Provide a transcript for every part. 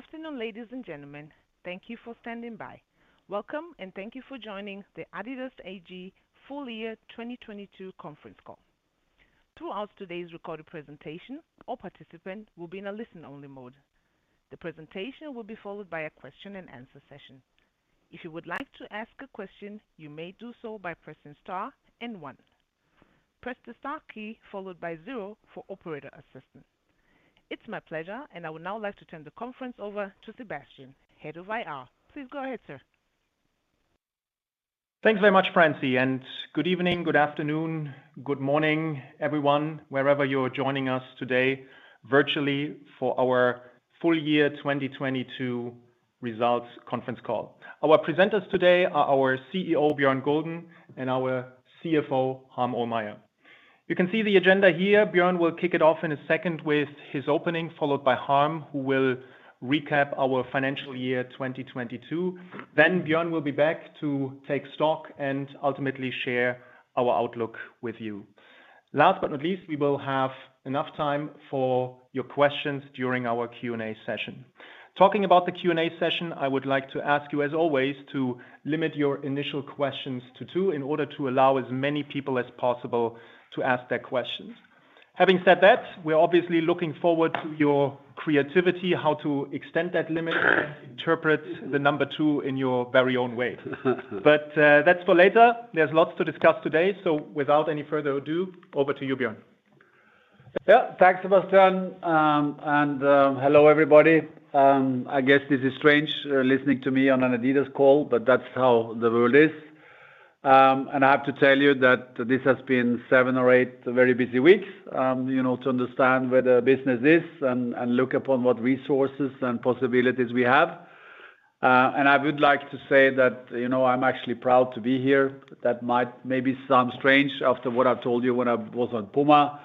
Good afternoon, ladies and gentlemen. Thank you for standing by. Welcome and thank you for joining the adidas AG Full Year 2022 conference call. Throughout today's recorded presentation, all participants will be in a listen-only mode. The presentation will be followed by a question and answer session. If you would like to ask a question, you may do so by pressing star and 1. Press the star key followed by 0 for operator assistance. It's my pleasure, and I would now like to turn the conference over to Sebastian, Head of IR. Please go ahead, sir. Thanks very much, Francie, and good evening, good afternoon, good morning, everyone, wherever you're joining us today virtually for our full year 2022 results conference call. Our presenters today are our CEO, Bjørn Gulden, and our CFO, Harm Ohlmeyer. You can see the agenda here. Bjørn will kick it off in a second with his opening, followed by Harm, who will recap our financial year 2022. Bjørn will be back to take stock and ultimately share our outlook with you. Last but not least, we will have enough time for your questions during our Q&A session. Talking about the Q&A session, I would like to ask you, as always, to limit your initial questions to 2 in order to allow as many people as possible to ask their questions. Having said that, we're obviously looking forward to your creativity, how to extend that limit, interpret the number 2 in your very own way. That's for later. There's lots to discuss today. Without any further ado, over to you, Bjørn. Yeah. Thanks, Sebastian. Hello, everybody. I guess this is strange listening to me on an adidas call, but that's how the world is. I have to tell you that this has been seven or eight very busy weeks, you know, to understand where the business is and look upon what resources and possibilities we have. I would like to say that, you know, I'm actually proud to be here. That might maybe sound strange after what I've told you when I was on Puma,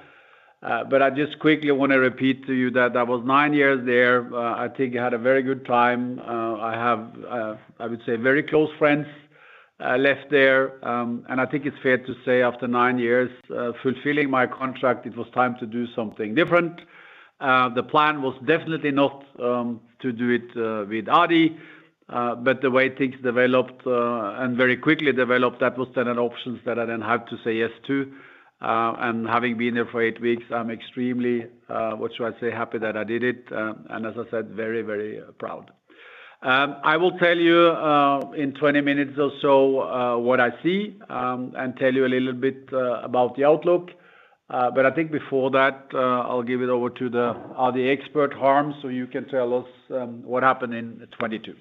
I just quickly want to repeat to you that I was nine years there. I think I had a very good time. I have, I would say, very close friends I left there. I think it's fair to say after 9 years, fulfilling my contract, it was time to do something different. The plan was definitely not to do it with Adi, but the way things developed, and very quickly developed, that was then an option that I then had to say yes to. Having been there for 8 weeks, I'm extremely, what should I say, happy that I did it, and as I said, very, very proud. I will tell you in 20 minutes or so, what I see, and tell you a little bit about the outlook. I think before that, I'll give it over to the Adi expert, .m, so you can tell us what happened in 22.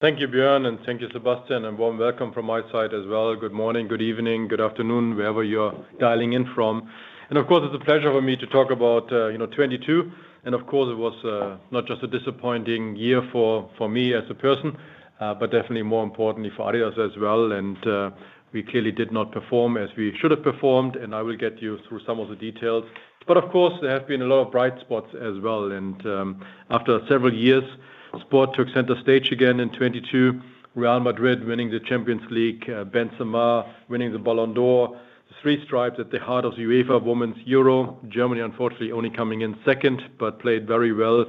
Thank you, Bjorn, thank you, Sebastian, and warm welcome from my side as well. Good morning, good evening, good afternoon, wherever you're dialing in from. Of course, it's a pleasure for me to talk about, you know, 2022. Of course, it was not just a disappointing year for me as a person, but definitely more importantly for adidas as well. We clearly did not perform as we should have performed, and I will get you through some of the details. Of course, there have been a lot of bright spots as well. After several years, sport took center stage again in 2022, Real Madrid winning the Champions League, Benzema winning the Ballon d'Or, the three stripes at the heart of UEFA Women's Euro. Germany, unfortunately, only coming in second, played very well,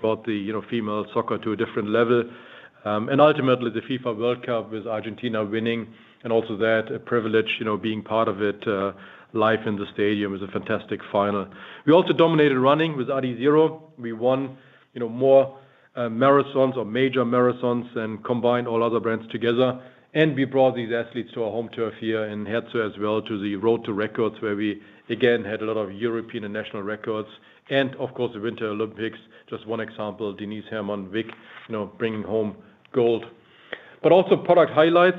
brought the, you know, female soccer to a different level. Ultimately, the FIFA World Cup, with Argentina winning and also that privilege, you know, being part of it, live in the stadium was a fantastic final. We also dominated running with adizero. We won, you know, more marathons or major marathons and combined all other brands together. We brought these athletes to our home turf here and helped as well to the Road to Records, where we again had a lot of European and national records and of course, the Winter Olympics. Just one example, Denise Herrmann-Wick, you know, bringing home gold. Also product highlights,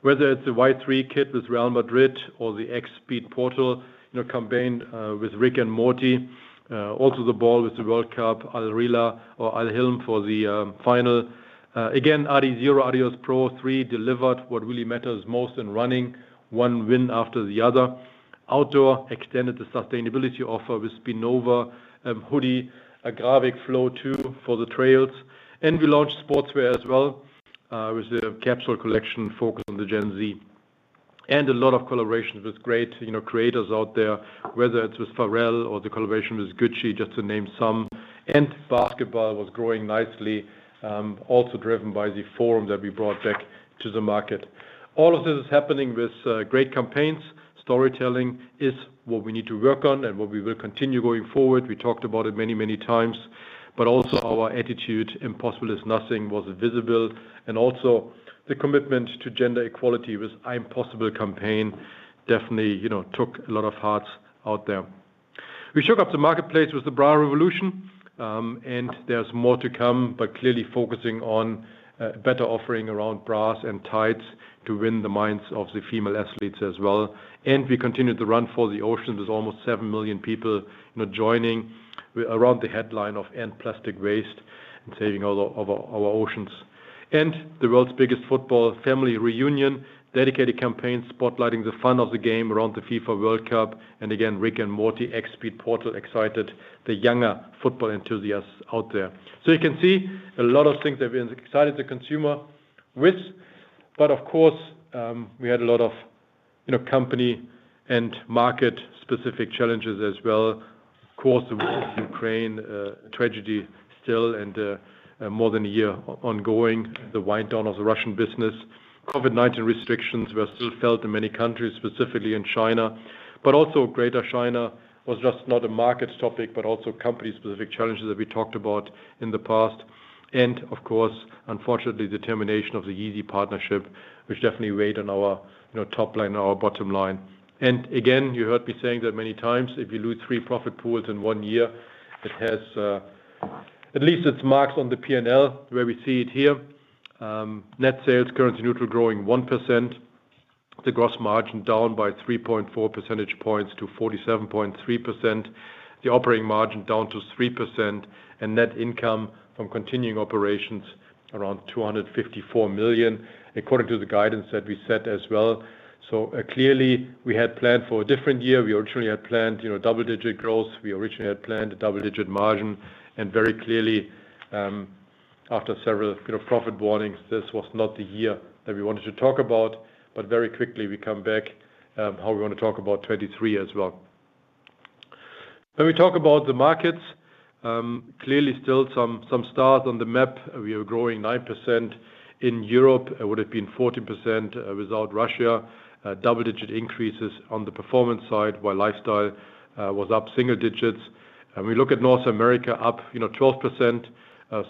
whether it's the Y-3 kit with Real Madrid or the X Speedportal, you know, campaign, with Rick and Morty. Also the ball with the World Cup, Al Rihla or Al Hilm for the final. Again, Adizero Adios Pro 3 delivered what really matters most in running, one win after the other. Outdoor extended the sustainability offer with Spinova Hoodie, Agravic Flow 2 for the trails. We launched sportswear as well, with the capsule collection focused on the Gen Z. A lot of collaborations with great, you know, creators out there, whether it was Pharrell or the collaboration with Gucci, just to name some. Basketball was growing nicely, also driven by the Forum that we brought back to the market. All of this is happening with great campaigns. Storytelling is what we need to work on and what we will continue going forward. We talked about it many, many times, but also our attitude, Impossible is Nothing, was visible. Also the commitment to gender equality with I'm Possible campaign definitely, you know, took a lot of hearts out there. We shook up the marketplace with the bra revolution, and there's more to come, but clearly focusing on a better offering around bras and tights to win the minds of the female athletes as well. We continued the run for the oceans with almost 7 million people, you know, joining around the headline of end plastic waste and saving our oceans. The world's biggest football family reunion, dedicated campaigns spotlighting the fun of the game around the FIFA World Cup. Again, Rick and Morty, X Speedportal excited the younger football enthusiasts out there. You can see a lot of things that we excited the consumer with. Of course, we had a lot of you know, company and market specific challenges as well. Of course, the war with Ukraine, tragedy still and, more than 1 year ongoing, the wind down of the Russian business. COVID-19 restrictions were still felt in many countries, specifically in China, but also Greater China was just not a market topic, but also company-specific challenges that we talked about in the past. Of course, unfortunately, the termination of the Yeezy partnership, which definitely weighed on our, you know, top line and our bottom line. Again, you heard me saying that many times, if you lose 3 profit pools in 1 year, it has, at least it's marked on the P&L where we see it here. Net sales currency neutral growing 1%, the gross margin down by 3.4 percentage points to 47.3%, the operating margin down to 3% and net income from continuing operations around 254 million, according to the guidance that we set as well. Clearly we had planned for a different year. We originally had planned, you know, double-digit growth. We originally had planned a double-digit margin. Very clearly, after several, you know, profit warnings, this was not the year that we wanted to talk about. Very quickly we come back, how we wanna talk about 2023 as well. When we talk about the markets, clearly still some stars on the map. We are growing 9% in Europe. It would have been 14% without Russia. Double-digit increases on the performance side while lifestyle was up single digits. We look at North America up, you know, 12%.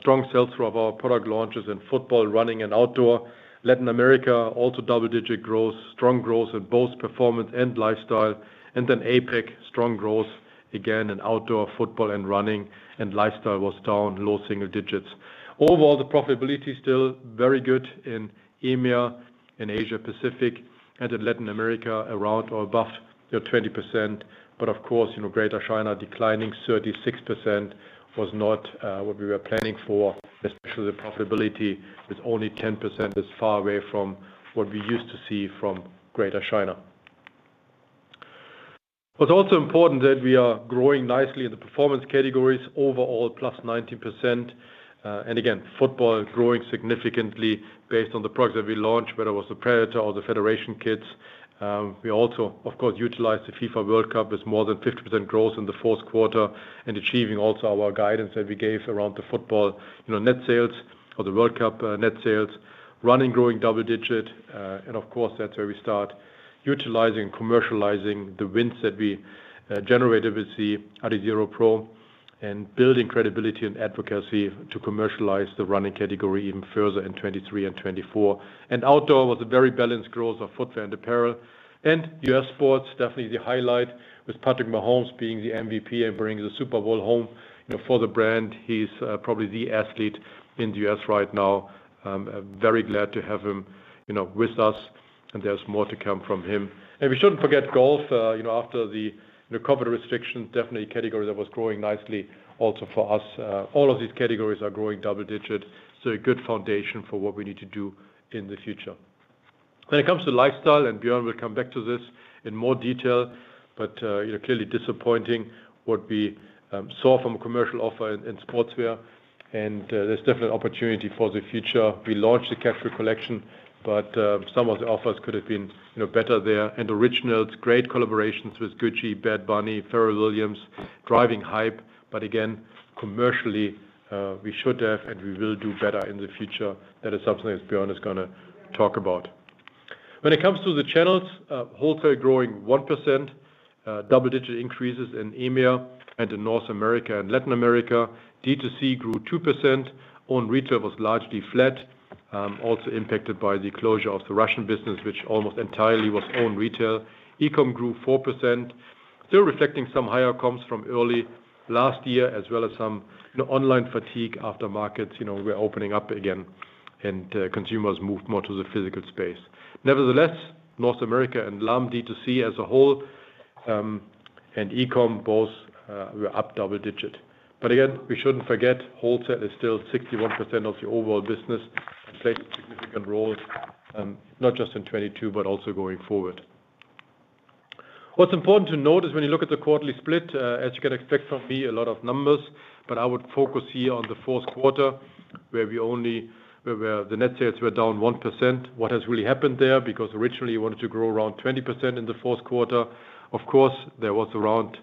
Strong sales through of our product launches in football, running and outdoor. Latin America also double-digit growth, strong growth in both performance and lifestyle. APAC, strong growth again in outdoor, football and running and lifestyle was down low single digits. Overall, the profitability is still very good in EMEA and Asia-Pacific and in Latin America around or above, you know, 20%. Of course, you know, Greater China declining 36% was not what we were planning for, especially the profitability with only 10% is far away from what we used to see from Greater China. Also important that we are growing nicely in the performance categories overall, plus 90%. Again, football growing significantly based on the products that we launched, whether it was the Predator or the Federation kits. We also, of course, utilized the FIFA World Cup with more than 50% growth in the fourth quarter and achieving also our guidance that we gave around the football, you know, net sales or the World Cup net sales. Running growing double-digit. Of course, that's where we start utilizing, commercializing the wins that we generated with the Adizero Pro and building credibility and advocacy to commercialize the running category even further in 2023 and 2024. Outdoor was a very balanced growth of footwear and apparel. U.S. sports, definitely the highlight with Patrick Mahomes being the MVP and bringing the Super Bowl home, you know, for the brand. He's probably the athlete in the U.S. right now. Very glad to have him, you know, with us. There's more to come from him. We shouldn't forget golf, you know, after the, you know, COVID restriction, definitely a category that was growing nicely also for us. All of these categories are growing double-digit. A good foundation for what we need to do in the future. When it comes to lifestyle. Bjørn will come back to this in more detail. Clearly disappointing what we saw from a commercial offer in sportswear. There's definitely opportunity for the future. We launched the casual collection. Some of the offers could have been, you know, better there. Originals, great collaborations with Gucci, Bad Bunny, Pharrell Williams, driving hype. Again, commercially, we should have and we will do better in the future. That is something that Bjørn is gonna talk about. When it comes to the channels, wholesale growing 1%, double-digit increases in EMEA and in North America and Latin America. D2C grew 2%. Own retail was largely flat, also impacted by the closure of the Russian business, which almost entirely was own retail. e-com grew 4%, still reflecting some higher comes from early last year as well as some, you know, online fatigue after markets, you know, were opening up again and consumers moved more to the physical space. North America and LAM D2C as a whole, and e-com both, were up double-digit. Again, we shouldn't forget, wholesale is still 61% of the overall business and plays a significant role, not just in 2022, but also going forward. What's important to note is when you look at the quarterly split, as you can expect from me, a lot of numbers, but I would focus here on the fourth quarter, where the net sales were down 1%. What has really happened there, because originally we wanted to grow around 20% in the fourth quarter. Of course, there was around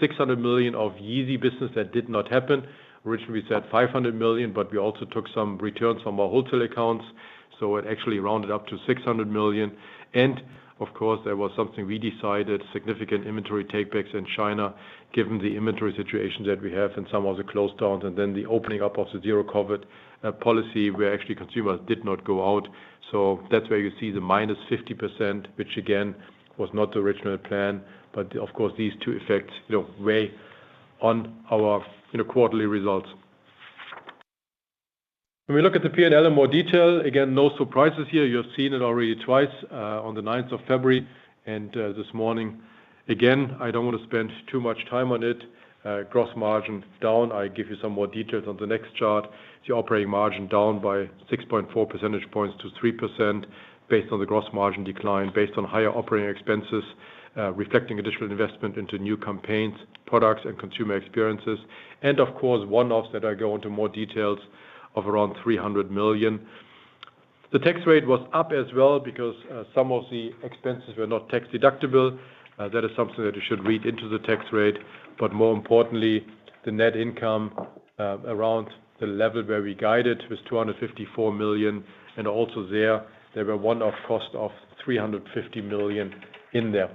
600 million of Yeezy business that did not happen. Originally, we said 500 million, but we also took some returns from our wholesale accounts, so it actually rounded up to 600 million. Of course, there was something we decided, significant inventory takebacks in China, given the inventory situation that we have and some of the closedowns and then the opening up of the Zero-COVID policy, where actually consumers did not go out. That's where you see the minus 50%, which again, was not the original plan. Of course, these two effects, you know, weigh on our, you know, quarterly results. When we look at the P&L in more detail, again, no surprises here. You have seen it already twice, on the 9th of February and this morning. Again, I don't want to spend too much time on it. Gross margin down. I give you some more details on the next chart. The operating margin down by 6.4 percentage points to 3% based on the gross margin decline, based on higher operating expenses, reflecting additional investment into new campaigns, products and consumer experiences. Of course, one-offs that I go into more details of around 300 million. The tax rate was up as well because some of the expenses were not tax deductible. That is something that you should read into the tax rate. More importantly, the net income, around the level where we guided was 254 million. Also there were one-off cost of 350 million in there.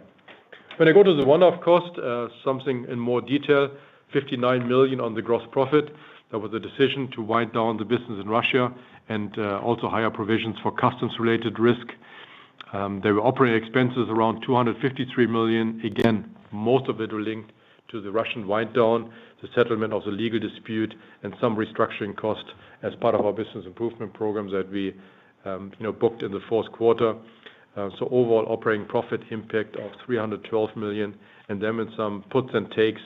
When I go to the one-off cost, something in more detail, 59 million on the gross profit. That was a decision to wind down the business in Russia and also higher provisions for customs-related risk. There were operating expenses around 253 million. Again, most of it linked to the Russian wind down, the settlement of the legal dispute, and some restructuring costs as part of our business improvement program that we, you know, booked in the fourth quarter. So overall operating profit impact of 312 million. Then with some puts and takes,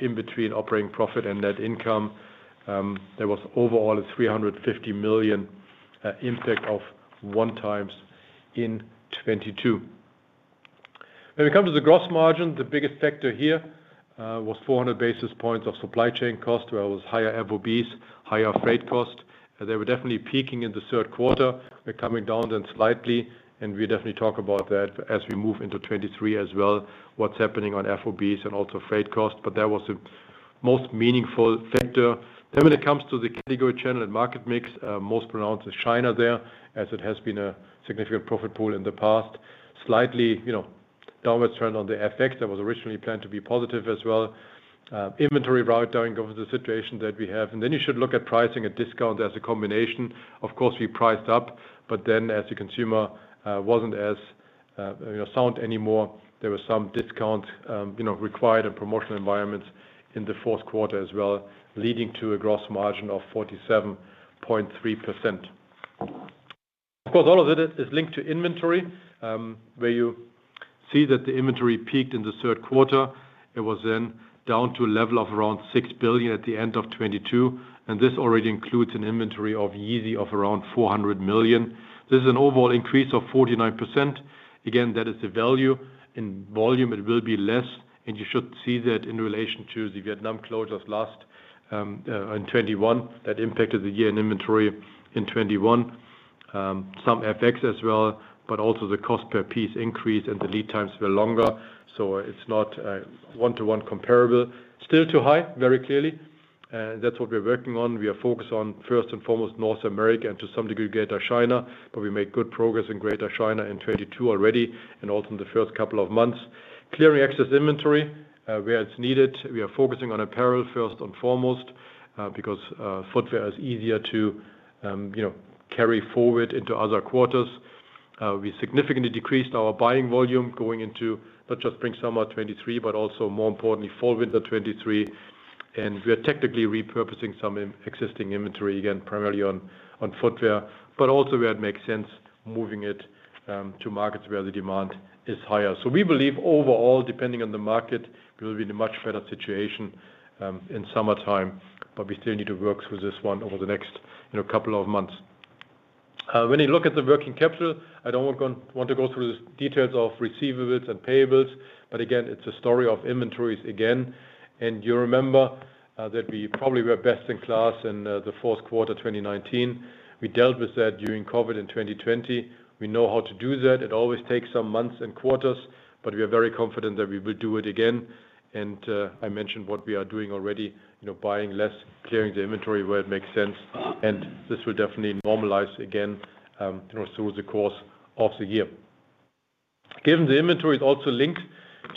in between operating profit and net income, there was overall a 350 million impact of one times in 2022. We come to the gross margin, the biggest factor here, was 400 basis points of supply chain cost, where it was higher FOBs, higher freight cost. They were definitely peaking in the third quarter. They're coming down then slightly, and we definitely talk about that as we move into 2023 as well. What's happening on FOBs and also freight costs. That was the most meaningful factor. When it comes to the category channel and market mix, most pronounced is China there, as it has been a significant profit pool in the past. Slightly, you know, downward trend on the FX that was originally planned to be positive as well. Inventory write-down covers the situation that we have. You should look at pricing and discount as a combination. Of course, we priced up, as the consumer wasn't as, you know, sound anymore, there was some discount, you know, required and promotional environments in the fourth quarter as well, leading to a gross margin of 47.3%. Of course, all of it is linked to inventory, where you see that the inventory peaked in the third quarter. It was down to a level of around 6 billion at the end of 2022, this already includes an inventory of Yeezy of around 400 million. This is an overall increase of 49%. Again, that is the value. In volume, it will be less. You should see that in relation to the Vietnam closures last in 2021. That impacted the year-end inventory in 2021. Some FX as well, also the cost per piece increased and the lead times were longer. It's not one-to-one comparable. Still too high, very clearly. That's what we're working on. We are focused on, first and foremost, North America, and to some degree, Greater China. We made good progress in Greater China in 2022 already, and also in the first couple of months. Clearing excess inventory, where it's needed. We are focusing on apparel first and foremost, because footwear is easier to, you know, carry forward into other quarters. We significantly decreased our buying volume going into not just spring/summer 2023, but also more importantly, fall/winter 2023. We are technically repurposing some existing inventory, again, primarily on footwear. Also where it makes sense, moving it to markets where the demand is higher. We believe overall, depending on the market, we'll be in a much better situation in summertime. We still need to work through this one over the next, you know, couple of months. When you look at the working capital, I don't want to go through the details of receivables and payables, but again, it's a story of inventories again. You remember that we probably were best in class in the fourth quarter, 2019. We dealt with that during COVID in 2020. We know how to do that. It always takes some months and quarters, but we are very confident that we will do it again. I mentioned what we are doing already, you know, buying less, clearing the inventory where it makes sense. This will definitely normalize again, you know, through the course of the year. Given the inventory is also linked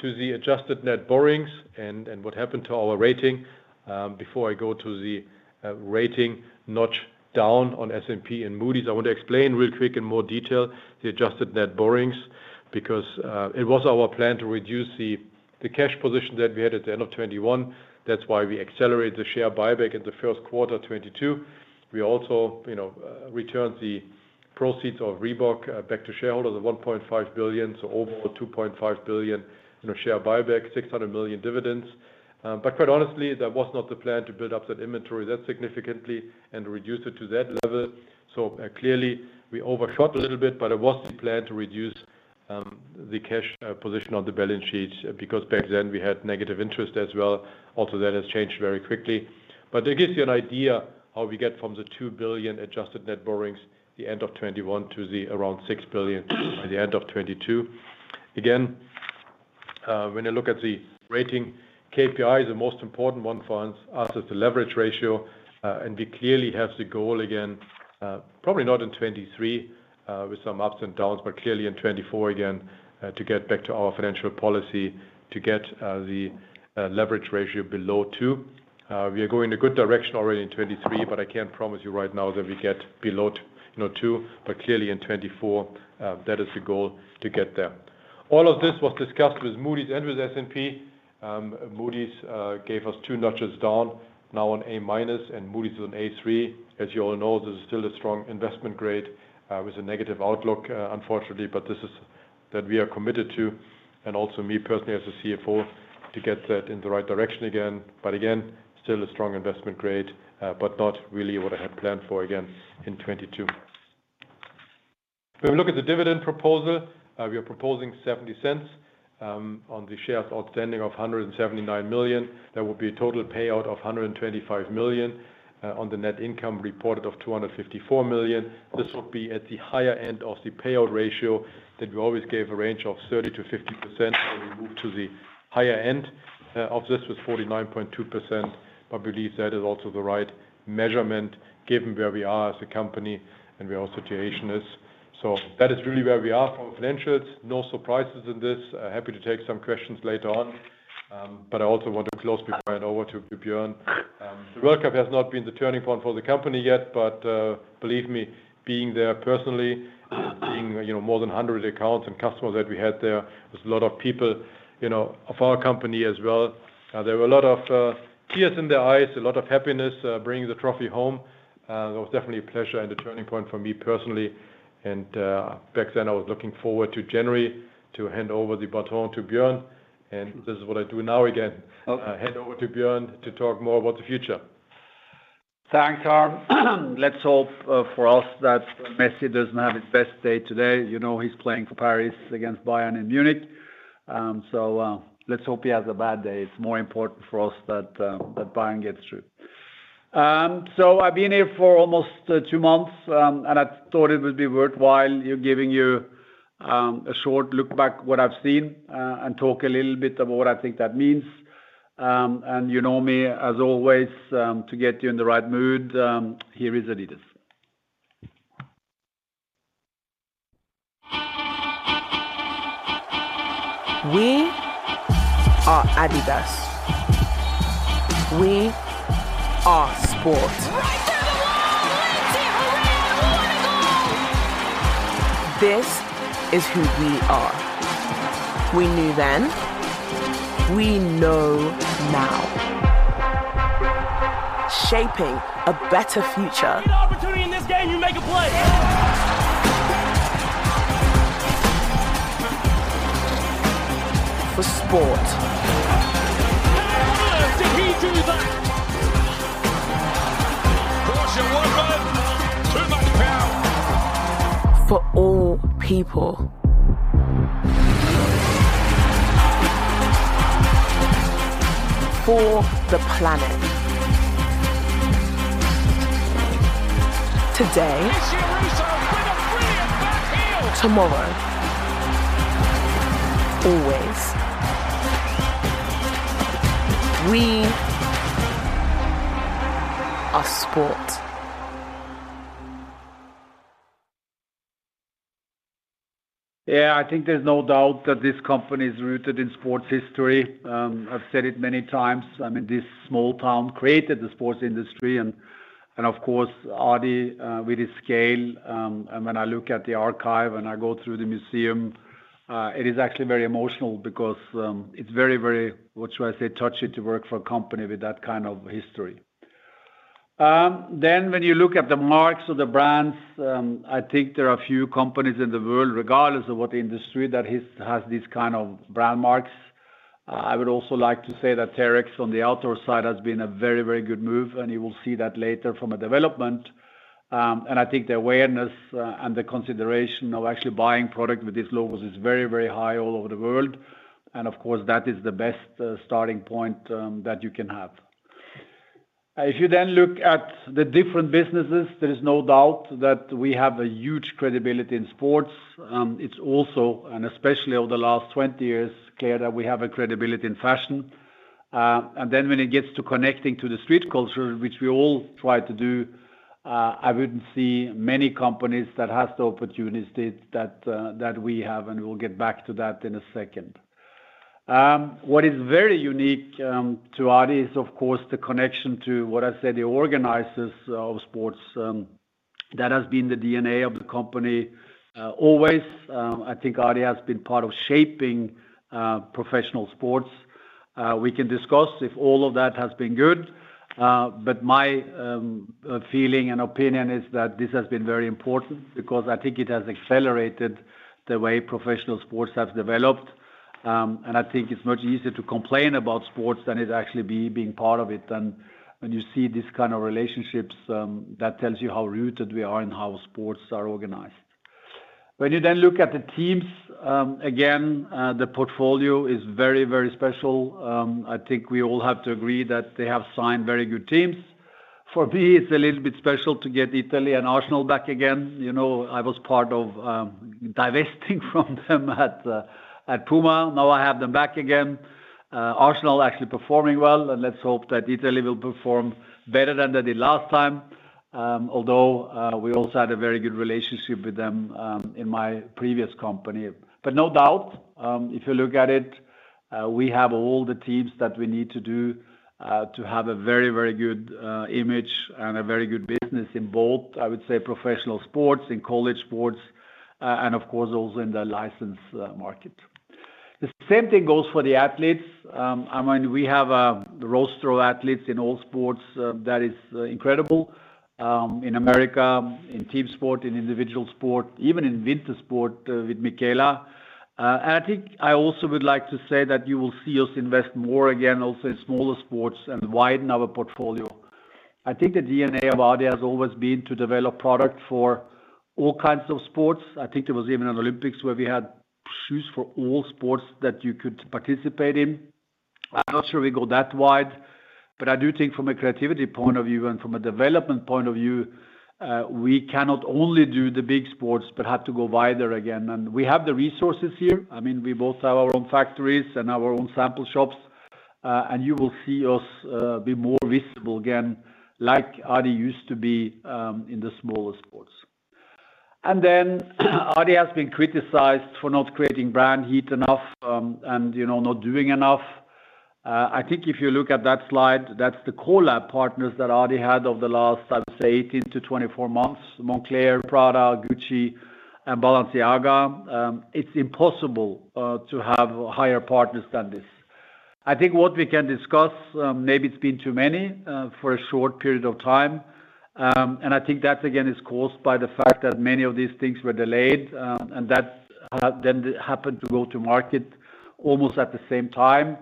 to the adjusted net borrowings and what happened to our rating, before I go to the rating notch down on S&P and Moody's, I want to explain real quick in more detail the adjusted net borrowings because it was our plan to reduce the cash position that we had at the end of 2021. That's why we accelerated the share buyback in the first quarter 2022. We also, you know, returned the proceeds of Reebok back to shareholders at 1.5 billion, so over 2.5 billion in a share buyback, 600 million dividends. Quite honestly, that was not the plan to build up that inventory that significantly and reduce it to that level. Clearly we overshot a little bit. It was the plan to reduce the cash position on the balance sheet, because back then we had negative interest as well. That has changed very quickly. It gives you an idea how we get from the 2 billion adjusted net borrowings the end of 2021 to the around 6 billion by the end of 2022. When you look at the rating KPI, the most important one for us is the leverage ratio. We clearly have the goal again, probably not in 2023, with some ups and downs, but clearly in 2024 again, to get back to our financial policy to get the leverage ratio below 2. We are going a good direction already in 2023, but I can't promise you right now that we get below you know, 2. Clearly in 2024, that is the goal to get there. All of this was discussed with Moody's and with S&P. Moody's gave us two notches down now on A-minus and Moody's on A3. As you all know, this is still a strong investment grade, with a negative outlook, unfortunately. This is that we are committed to, and also me personally as the CFO, to get that in the right direction again. Again, still a strong investment grade, but not really what I had planned for again in 2022. When we look at the dividend proposal, we are proposing 0.70 on the shares outstanding of 179 million. That would be a total payout of 125 million on the net income reported of 254 million. This will be at the higher end of the payout ratio that we always gave a range of 30%-50%, and we move to the higher end of this with 49.2%, but believe that is also the right measurement given where we are as a company and where our situation is. That is really where we are for financials. No surprises in this. Happy to take some questions later on, but I also want to close before I hand over to Bjørn. The World Cup has not been the turning point for the company yet. Believe me, being there personally, being, you know, more than 100 accounts and customers that we had there was a lot of people, you know, of our company as well. There were a lot of tears in their eyes, a lot of happiness, bringing the trophy home. That was definitely a pleasure and a turning point for me personally. Back then, I was looking forward to January to hand over the baton to Bjørn. This is what I do now again. Okay. I hand over to Bjørn to talk more about the future. Thanks, Harm. Let's hope for us that Messi doesn't have his best day today. You know, he's playing for Paris against Bayern in Munich. Let's hope he has a bad day. It's more important for us that Bayern gets through. I've been here for almost 2 months, and I thought it would be worthwhile giving you a short look back what I've seen and talk a little bit about what I think that means. You know me as always, to get you in the right mood, here is Adidas. I think there's no doubt that this company is rooted in sports history. I've said it many times. I mean, this small town created the sports industry, of course, Adi, with his scale, and when I look at the archive and I go through the museum, it is actually very emotional because it's very, very, what should I say, touchy to work for a company with that kind of history. When you look at the marks of the brands, I think there are a few companies in the world, regardless of what industry that has these kind of brand marks. I would also like to say that Terrex on the outdoor side has been a very, very good move, and you will see that later from a development. I think the awareness, and the consideration of actually buying product with these logos is very, very high all over the world. Of course, that is the best starting point that you can have. If you then look at the different businesses, there is no doubt that we have a huge credibility in sports. It's also, and especially over the last 20 years, clear that we have a credibility in fashion. When it gets to connecting to the street culture, which we all try to do, I wouldn't see many companies that has the opportunities that we have, and we'll get back to that in a second. What is very unique to Adi is of course the connection to what I said, the organizers of sports. That has been the DNA of the company, always. I think Adi has been part of shaping professional sports. We can discuss if all of that has been good. But my feeling and opinion is that this has been very important because I think it has accelerated the way professional sports have developed. I think it's much easier to complain about sports than it actually being part of it. When you see these kind of relationships, that tells you how rooted we are and how sports are organized. When you look at the teams, again, the portfolio is very, very special. I think we all have to agree that they have signed very good teams. For me, it's a little bit special to get Italy and Arsenal back again. You know, I was part of divesting from them at Puma. Now I have them back again. Arsenal actually performing well, and let's hope that Italy will perform better than they did last time. Although we also had a very good relationship with them in my previous company. No doubt, if you look at it, we have all the teams that we need to do to have a very, very good image and a very good business in both, I would say, professional sports and college sports, and of course also in the licensed market. The same thing goes for the athletes. I mean, we have the roster of athletes in all sports that is incredible. In America, in team sport, in individual sport, even in winter sport, with Mikaela. I think I also would like to say that you will see us invest more again, also in smaller sports and widen our portfolio. I think the DNA of adidas has always been to develop product for all kinds of sports. I think there was even an Olympics where we had shoes for all sports that you could participate in. I'm not sure we go that wide, but I do think from a creativity point of view and from a development point of view, we cannot only do the big sports, but have to go wider again. We have the resources here. I mean, we both have our own factories and our own sample shops, and you will see us be more visible again, like adidas used to be, in the smaller sports. Then adidas has been criticized for not creating brand heat enough, and, you know, not doing enough. I think if you look at that slide, that's the collab partners that adidas had over the last, I'd say 18-24 months, Moncler, Prada, Gucci, and Balenciaga. It's impossible to have higher partners than this. I think what we can discuss, maybe it's been too many for a short period of time. I think that again is caused by the fact that many of these things were delayed, and that then happened to go to market almost at the same time.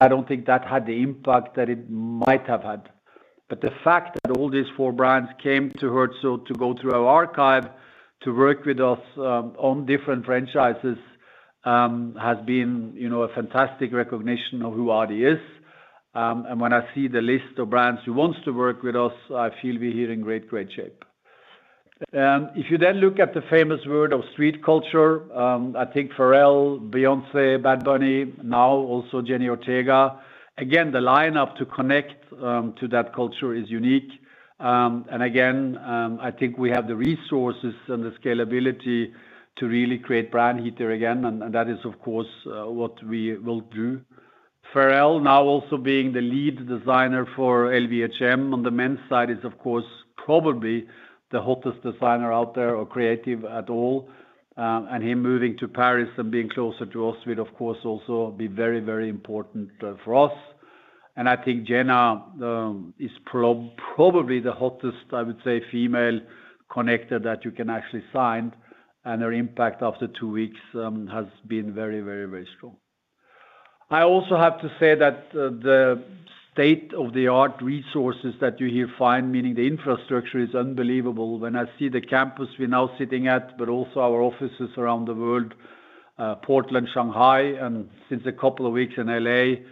I don't think that had the impact that it might have had. The fact that all these four brands came to Herzo to go through our archive to work with us, on different franchises, has been, you know, a fantastic recognition of who adidas is. When I see the list of brands who wants to work with us, I feel we're here in great shape. If you then look at the famous world of street culture, I think Pharrell, Beyoncé, Bad Bunny, now also Jenna Ortega, again, the lineup to connect, to that culture is unique. Again, I think we have the resources and the scalability to really create brand heat there again, and that is of course, what we will do. Pharrell now also being the lead designer for LVMH on the men's side is of course, probably the hottest designer out there or creative at all. Him moving to Paris and being closer to us will of course also be very, very important for us. I think Jenna is probably the hottest, I would say, female connector that you can actually sign. Her impact after two weeks has been very, very, very strong. I also have to say that the state-of-the-art resources that you here find, meaning the infrastructure, is unbelievable. When I see the campus we're now sitting at, but also our offices around the world, Portland, Shanghai, and since a couple of weeks in L.A.,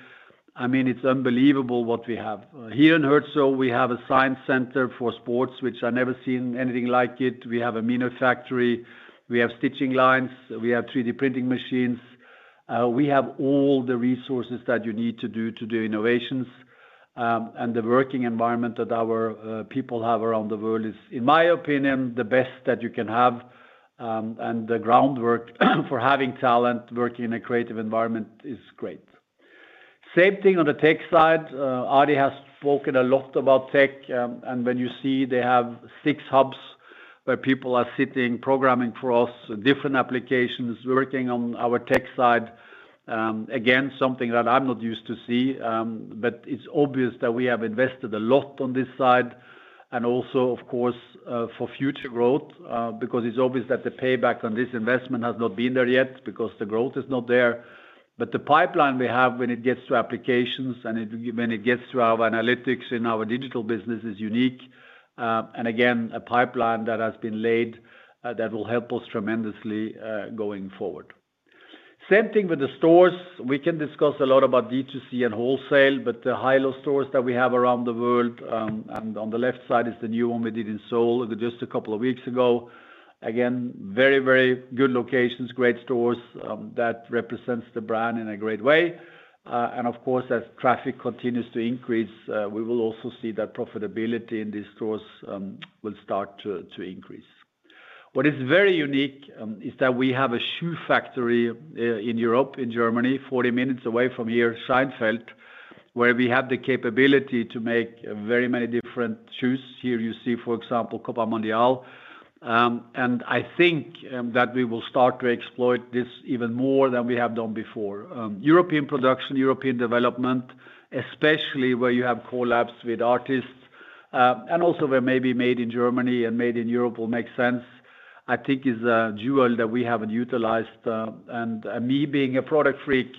I mean, it's unbelievable what we have. Here in Herzo, we have a science center for sports, which I've never seen anything like it. We have AM Factory, we have stitching lines, we have 3D printing machines. We have all the resources that you need to do innovations. The working environment that our people have around the world is, in my opinion, the best that you can have. The groundwork for having talent working in a creative environment is great. Same thing on the tech side. Artur has spoken a lot about tech. When you see they have 6 hubs where people are sitting, programming for us, different applications, working on our tech side, again, something that I'm not used to see. It's obvious that we have invested a lot on this side and also of course, for future growth, because it's obvious that the payback on this investment has not been there yet because the growth is not there. The pipeline we have when it gets to applications, when it gets to our analytics and our digital business is unique. Again, a pipeline that has been laid that will help us tremendously going forward. Same thing with the stores. We can discuss a lot about D2C and wholesale, but the high-low stores that we have around the world, and on the left side is the new one we did in Seoul just a couple of weeks ago. Again, very, very good locations, great stores that represents the brand in a great way. Of course, as traffic continues to increase, we will also see that profitability in these stores will start to increase. What is very unique, is that we have a shoe factory, in Europe, in Germany, 40 minutes away from here, Scheinfeld, where we have the capability to make very many different shoes. Here you see, for example, Copa Mundial. I think that we will start to exploit this even more than we have done before. European production, European development, especially where you have collabs with artists, and also where maybe made in Germany and made in Europe will make sense, I think is a jewel that we haven't utilized. Me being a product freak,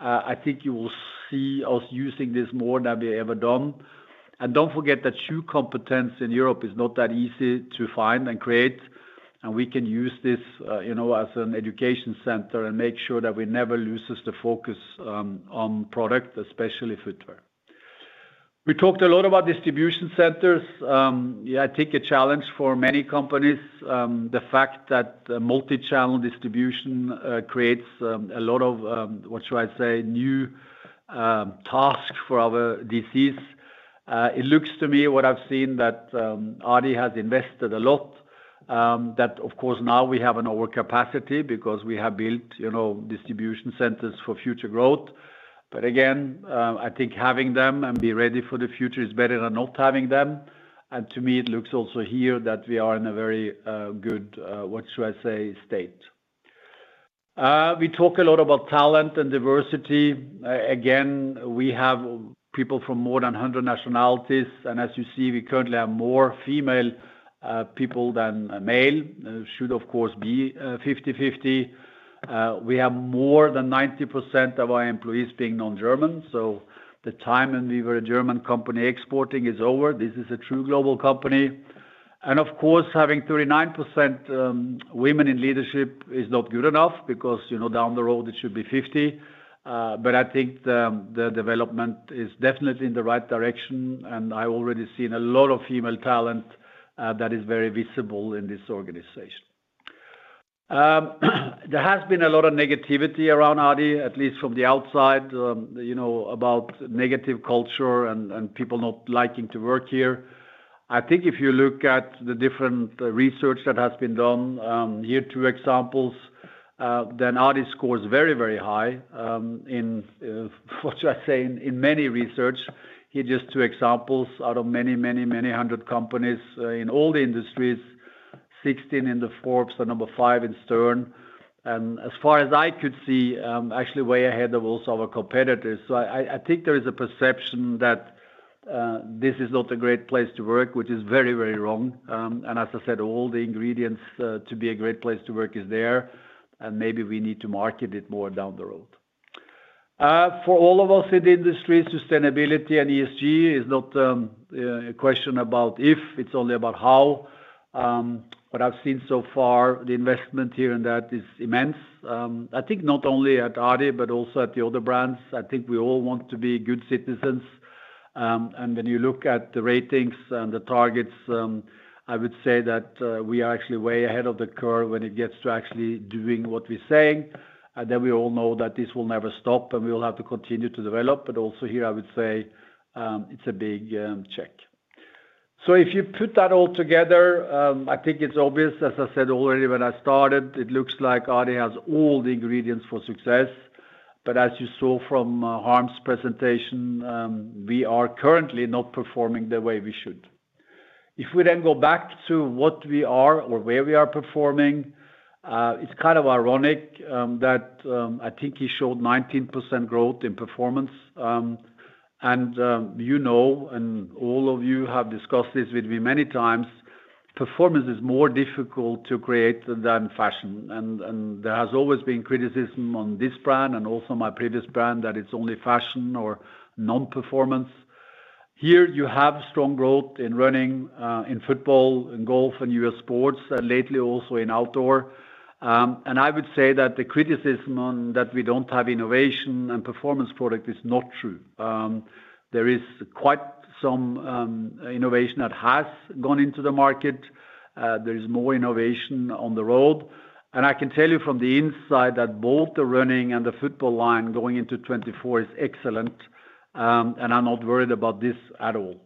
I think you will see us using this more than we ever done. Don't forget that shoe competence in Europe is not that easy to find and create, and we can use this, you know, as an education center and make sure that we never loses the focus on product, especially footwear. We talked a lot about distribution centers. Yeah, I think a challenge for many companies, the fact that the multi-channel distribution creates a lot of what should I say, new task for our DCs. It looks to me what I've seen, that adidas has invested a lot. That of course now we have an overcapacity because we have built, you know, distribution centers for future growth. Again, I think having them and be ready for the future is better than not having them. To me, it looks also here that we are in a very good, what should I say, state. We talk a lot about talent and diversity. Again, we have people from more than 100 nationalities, and as you see, we currently have more female people than male, should of course be 50/50. We have more than 90% of our employees being non-German. The time when we were a German company exporting is over. This is a true global company. Of course, having 39% women in leadership is not good enough because, you know, down the road, it should be 50. But I think the development is definitely in the right direction, and I already seen a lot of female talent that is very visible in this organization. There has been a lot of negativity around adidas, at least from the outside, you know, about negative culture and people not liking to work here. I think if you look at the different research that has been done, here are 2 examples, then adidas scores very, very high, in what should I say, in many research. Here just 2 examples out of many, many, many hundred companies, in all the industries, 16 in the Forbes and number 5 in Stern. As far as I could see, actually way ahead of also our competitors. I think there is a perception that this is not a great place to work, which is very, very wrong. As I said, all the ingredients to be a great place to work is there, and maybe we need to market it more down the road. For all of us in the industry, sustainability and ESG is not a question about if, it's only about how. What I've seen so far, the investment here in that is immense. I think not only at Adi, but also at the other brands. I think we all want to be good citizens. When you look at the ratings and the targets, I would say that we are actually way ahead of the curve when it gets to actually doing what we're saying. We all know that this will never stop, and we will have to continue to develop. Also here, I would say, it's a big check. If you put that all together, I think it's obvious, as I said already when I started, it looks like adi has all the ingredients for success. As you saw from Harm's presentation, we are currently not performing the way we should. If we then go back to what we are or where we are performing, it's kind of ironic that I think he showed 19% growth in performance. You know, all of you have discussed this with me many times, performance is more difficult to create than fashion. There has always been criticism on this brand and also my previous brand that it's only fashion or non-performance. Here you have strong growth in running, in football, in golf and U.S. sports, and lately also in outdoor. I would say that the criticism on that we don't have innovation and performance product is not true. There is quite some innovation that has gone into the market. There is more innovation on the road. I can tell you from the inside that both the running and the football line going into 2024 is excellent, and I'm not worried about this at all.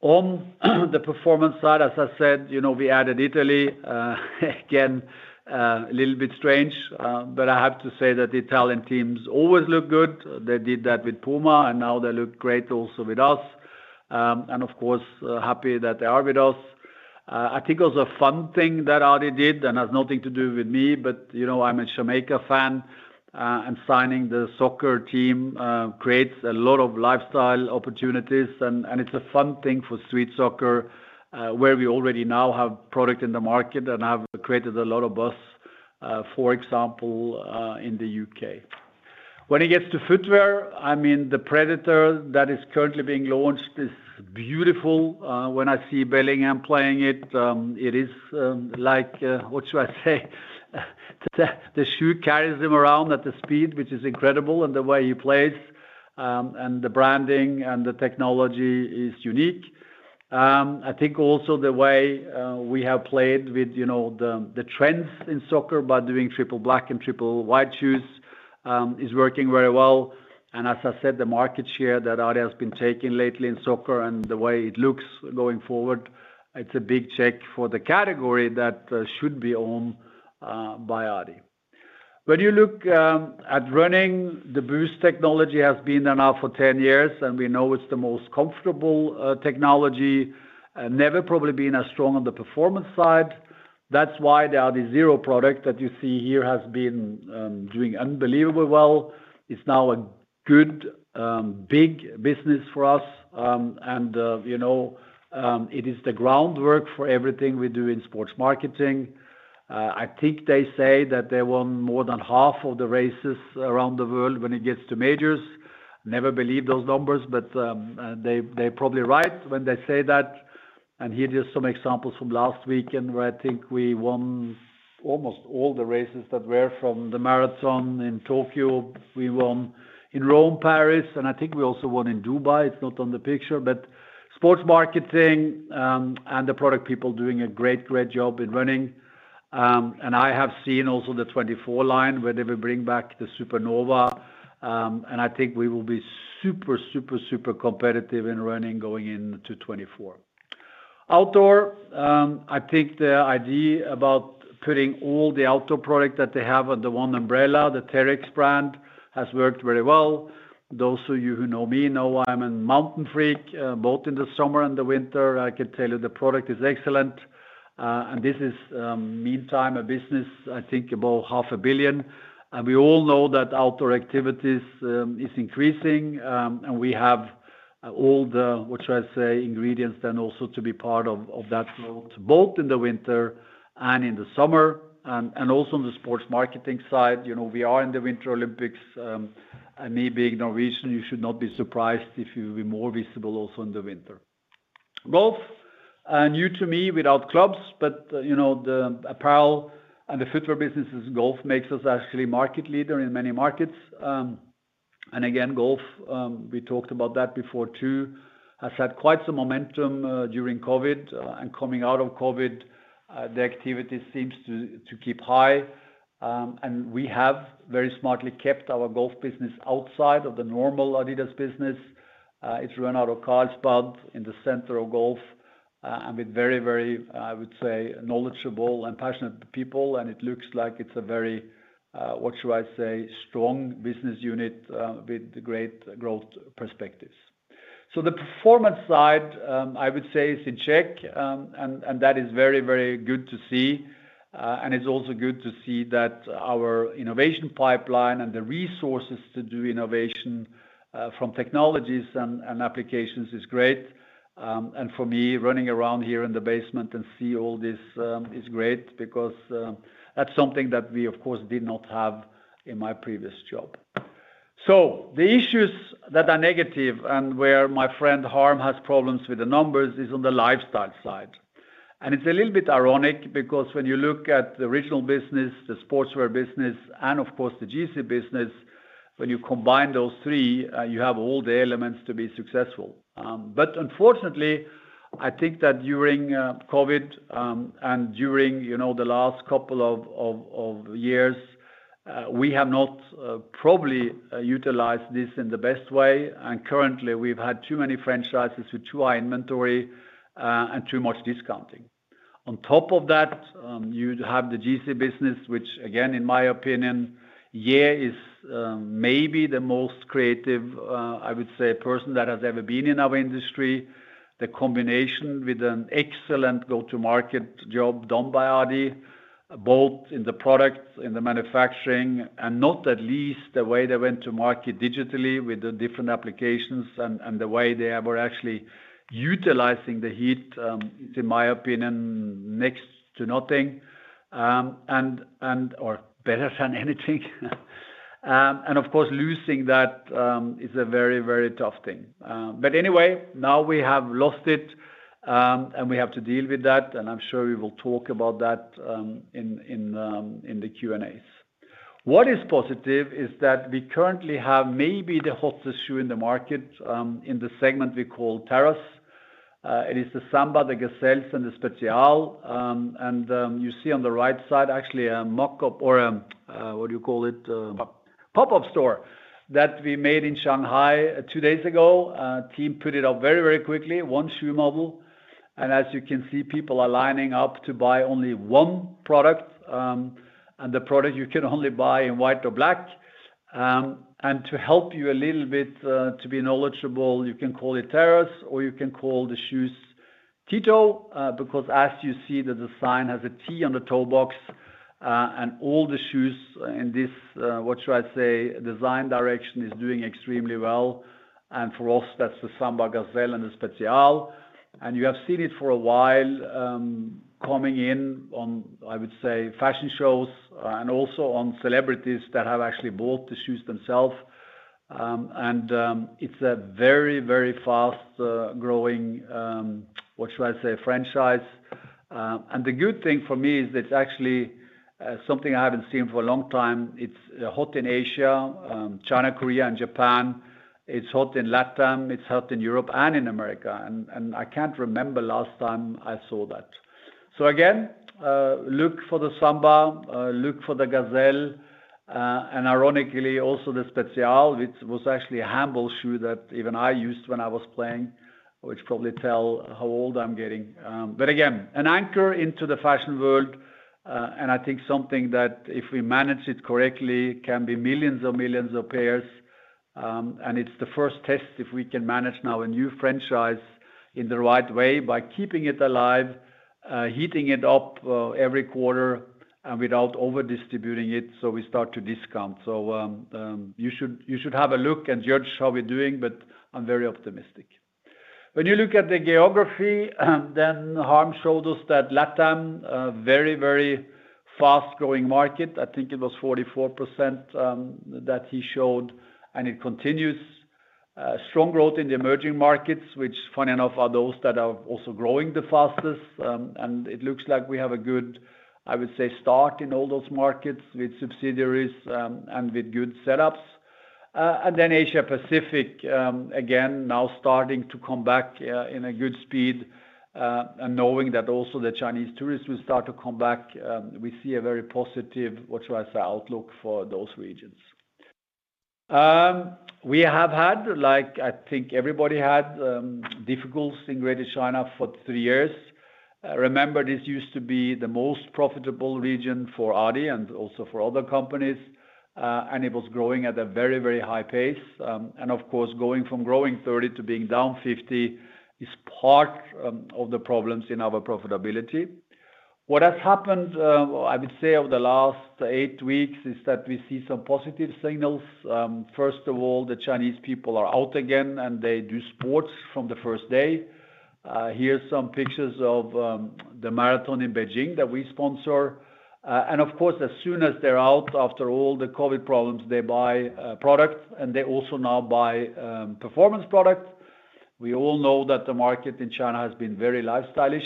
On the performance side, as I said, you know, we added Italy, again, a little bit strange, but I have to say that Italian teams always look good. They did that with Puma, and now they look great also with us. Of course, happy that they are with us. I think it was a fun thing that adidas did, and has nothing to do with me, but, you know, I'm a Jamaica fan, and signing the soccer team, creates a lot of lifestyle opportunities and it's a fun thing for street soccer, where we already now have product in the market and have created a lot of buzz, for example, in the U.K. When it gets to footwear, I mean, the Predator that is currently being launched is beautiful. When I see Bellingham playing it is, like, what should I say? The shoe carries him around at the speed, which is incredible, and the way he plays, and the branding and the technology is unique. I think also the way we have played with, you know, the trends in soccer by doing triple black and triple white shoes is working very well. As I said, the market share that adidas has been taking lately in soccer and the way it looks going forward, it's a big check for the category that should be owned by adidas. When you look at running, the Boost technology has been there now for 10 years, and we know it's the most comfortable technology and never probably been as strong on the performance side. That's why the Adizero product that you see here has been doing unbelievably well. It's now a good, big business for us. You know, it is the groundwork for everything we do in sports marketing. I think they say that they won more than half of the races around the world when it gets to majors. Never believe those numbers, they probably right when they say that. Here just some examples from last weekend where I think we won almost all the races that were from the marathon in Tokyo. We won in Rome, Paris, and I think we also won in Dubai. It's not on the picture. Sports marketing, and the product people doing a great job in running. I have seen also the 2024 line where they will bring back the Supernova. I think we will be super, super competitive in running going into 2024. Outdoor, I think the idea about putting all the outdoor product that they have under one umbrella, the Terrex brand, has worked very well. Those of you who know me know I'm a mountain freak, both in the summer and the winter. I can tell you the product is excellent. This is, meantime, a business, I think about half a billion. We all know that outdoor activities is increasing, and we have all the, what should I say, ingredients then also to be part of that float, both in the winter and in the summer. Also on the sports marketing side, you know, we are in the Winter Olympics, and me being Norwegian, you should not be surprised if you'll be more visible also in the winter. Golf, new to me without clubs, but, you know, the apparel and the footwear businesses golf makes us actually market leader in many markets. Again, golf, we talked about that before too, has had quite some momentum during COVID, and coming out of COVID, the activity seems to keep high. We have very smartly kept our golf business outside of the normal adidas business. It's run out of Carlsbad in the center of golf, and with very, very, I would say, knowledgeable and passionate people, and it looks like it's a very, what should I say, strong business unit, with great growth perspectives. The performance side, I would say is in check, and that is very, very good to see. It's also good to see that our innovation pipeline and the resources to do innovation, from technologies and applications is great. For me, running around here in the basement and see all this, is great because that's something that we, of course, did not have in my previous job. The issues that are negative and where my friend Harm has problems with the numbers is on the lifestyle side. It's a little bit ironic because when you look at the original business, the sportswear business, and of course the Greater China business, when you combine those three, you have all the elements to be successful. Unfortunately, I think that during COVID, and during, you know, the last couple of years, we have not probably utilized this in the best way. We've had too many franchises with too high inventory and too much discounting. You have the Greater China business, which again, in my opinion, is maybe the most creative, I would say, person that has ever been in our industry. The combination with an excellent go-to-market job done by adidas, both in the products, in the manufacturing, and not at least the way they went to market digitally with the different applications and the way they were actually utilizing the heat, is in my opinion, next to nothing and or better than anything. Losing that is a very, very tough thing. Anyway, now we have lost it, and we have to deal with that, and I'm sure we will talk about that in the Q&As. What is positive is that we currently have maybe the hottest shoe in the market, in the segment we call Terrace. It is the Samba, the Gazelle, and the Spezial. You see on the right side, actually a mock-up or, what do you call it? Pop. Pop-up store that we made in Shanghai two days ago. Team put it up very, very quickly. One shoe model. As you can see, people are lining up to buy only one product, and the product you can only buy in white or black. To help you a little bit, to be knowledgeable, you can call it Terrace, or you can call the shoes T-Toe, because as you see, the design has a T on the toe box, and all the shoes in this, what should I say, design direction is doing extremely well. For us, that's the Samba, Gazelle, and the Spezial. You have seen it for a while, coming in on, I would say, fashion shows and also on celebrities that have actually bought the shoes themselves. It's a very, very fast growing what should I say, franchise. The good thing for me is it's actually something I haven't seen for a long time. It's hot in Asia, China, Korea, and Japan. It's hot in Latam, it's hot in Europe and in America. I can't remember last time I saw that. Again, look for the Samba, look for the Gazelle, and ironically, also the Spezial, which was actually a humble shoe that even I used when I was playing, which probably tell how old I'm getting. Again, an anchor into the fashion world, and I think something that if we manage it correctly, can be millions or millions of pairs. It's the first test if we can manage now a new franchise in the right way by keeping it alive, heating it up every quarter and without overdistributing it, so we start to discount. You should have a look and judge how we're doing, but I'm very optimistic. When you look at the geography, Harm showed us that Latam, a very, very fast-growing market, I think it was 44% that he showed, it continues. Strong growth in the emerging markets, which funny enough, are those that are also growing the fastest. It looks like we have a good, I would say, start in all those markets with subsidiaries, and with good setups. Asia-Pacific, again, now starting to come back, in a good speed, and knowing that also the Chinese tourists will start to come back, we see a very positive, what should I say, outlook for those regions. We have had, like I think everybody had, difficulties in Greater China for three years. Remember, this used to be the most profitable region for Adi and also for other companies, and it was growing at a very, very high pace. Of course, going from growing 30% to being down 50% is part of the problems in our profitability. What has happened, I would say over the last eight weeks is that we see some positive signals. First of all, the Chinese people are out again, and they do sports from the first day. Here's some pictures of the marathon in Beijing that we sponsor. Of course, as soon as they're out, after all the COVID problems, they buy products, and they also now buy performance products. We all know that the market in China has been very lifestyle-ish,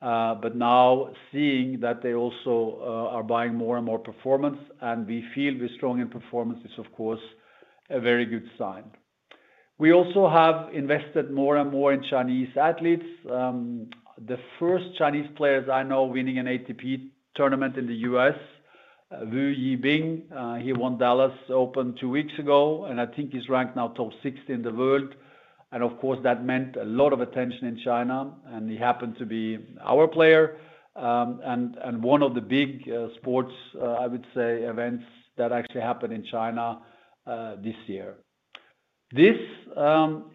but now seeing that they also are buying more and more performance, and we feel we're strong in performance is of course a very good sign. We also have invested more and more in Chinese athletes. The first Chinese players I know winning an ATP tournament in the U.S., Wu Yibing, he won Dallas Open two weeks ago, and I think he's ranked now top 60 in the world. Of course, that meant a lot of attention in China, and he happened to be our player, and one of the big sports, I would say events that actually happened in China this year. This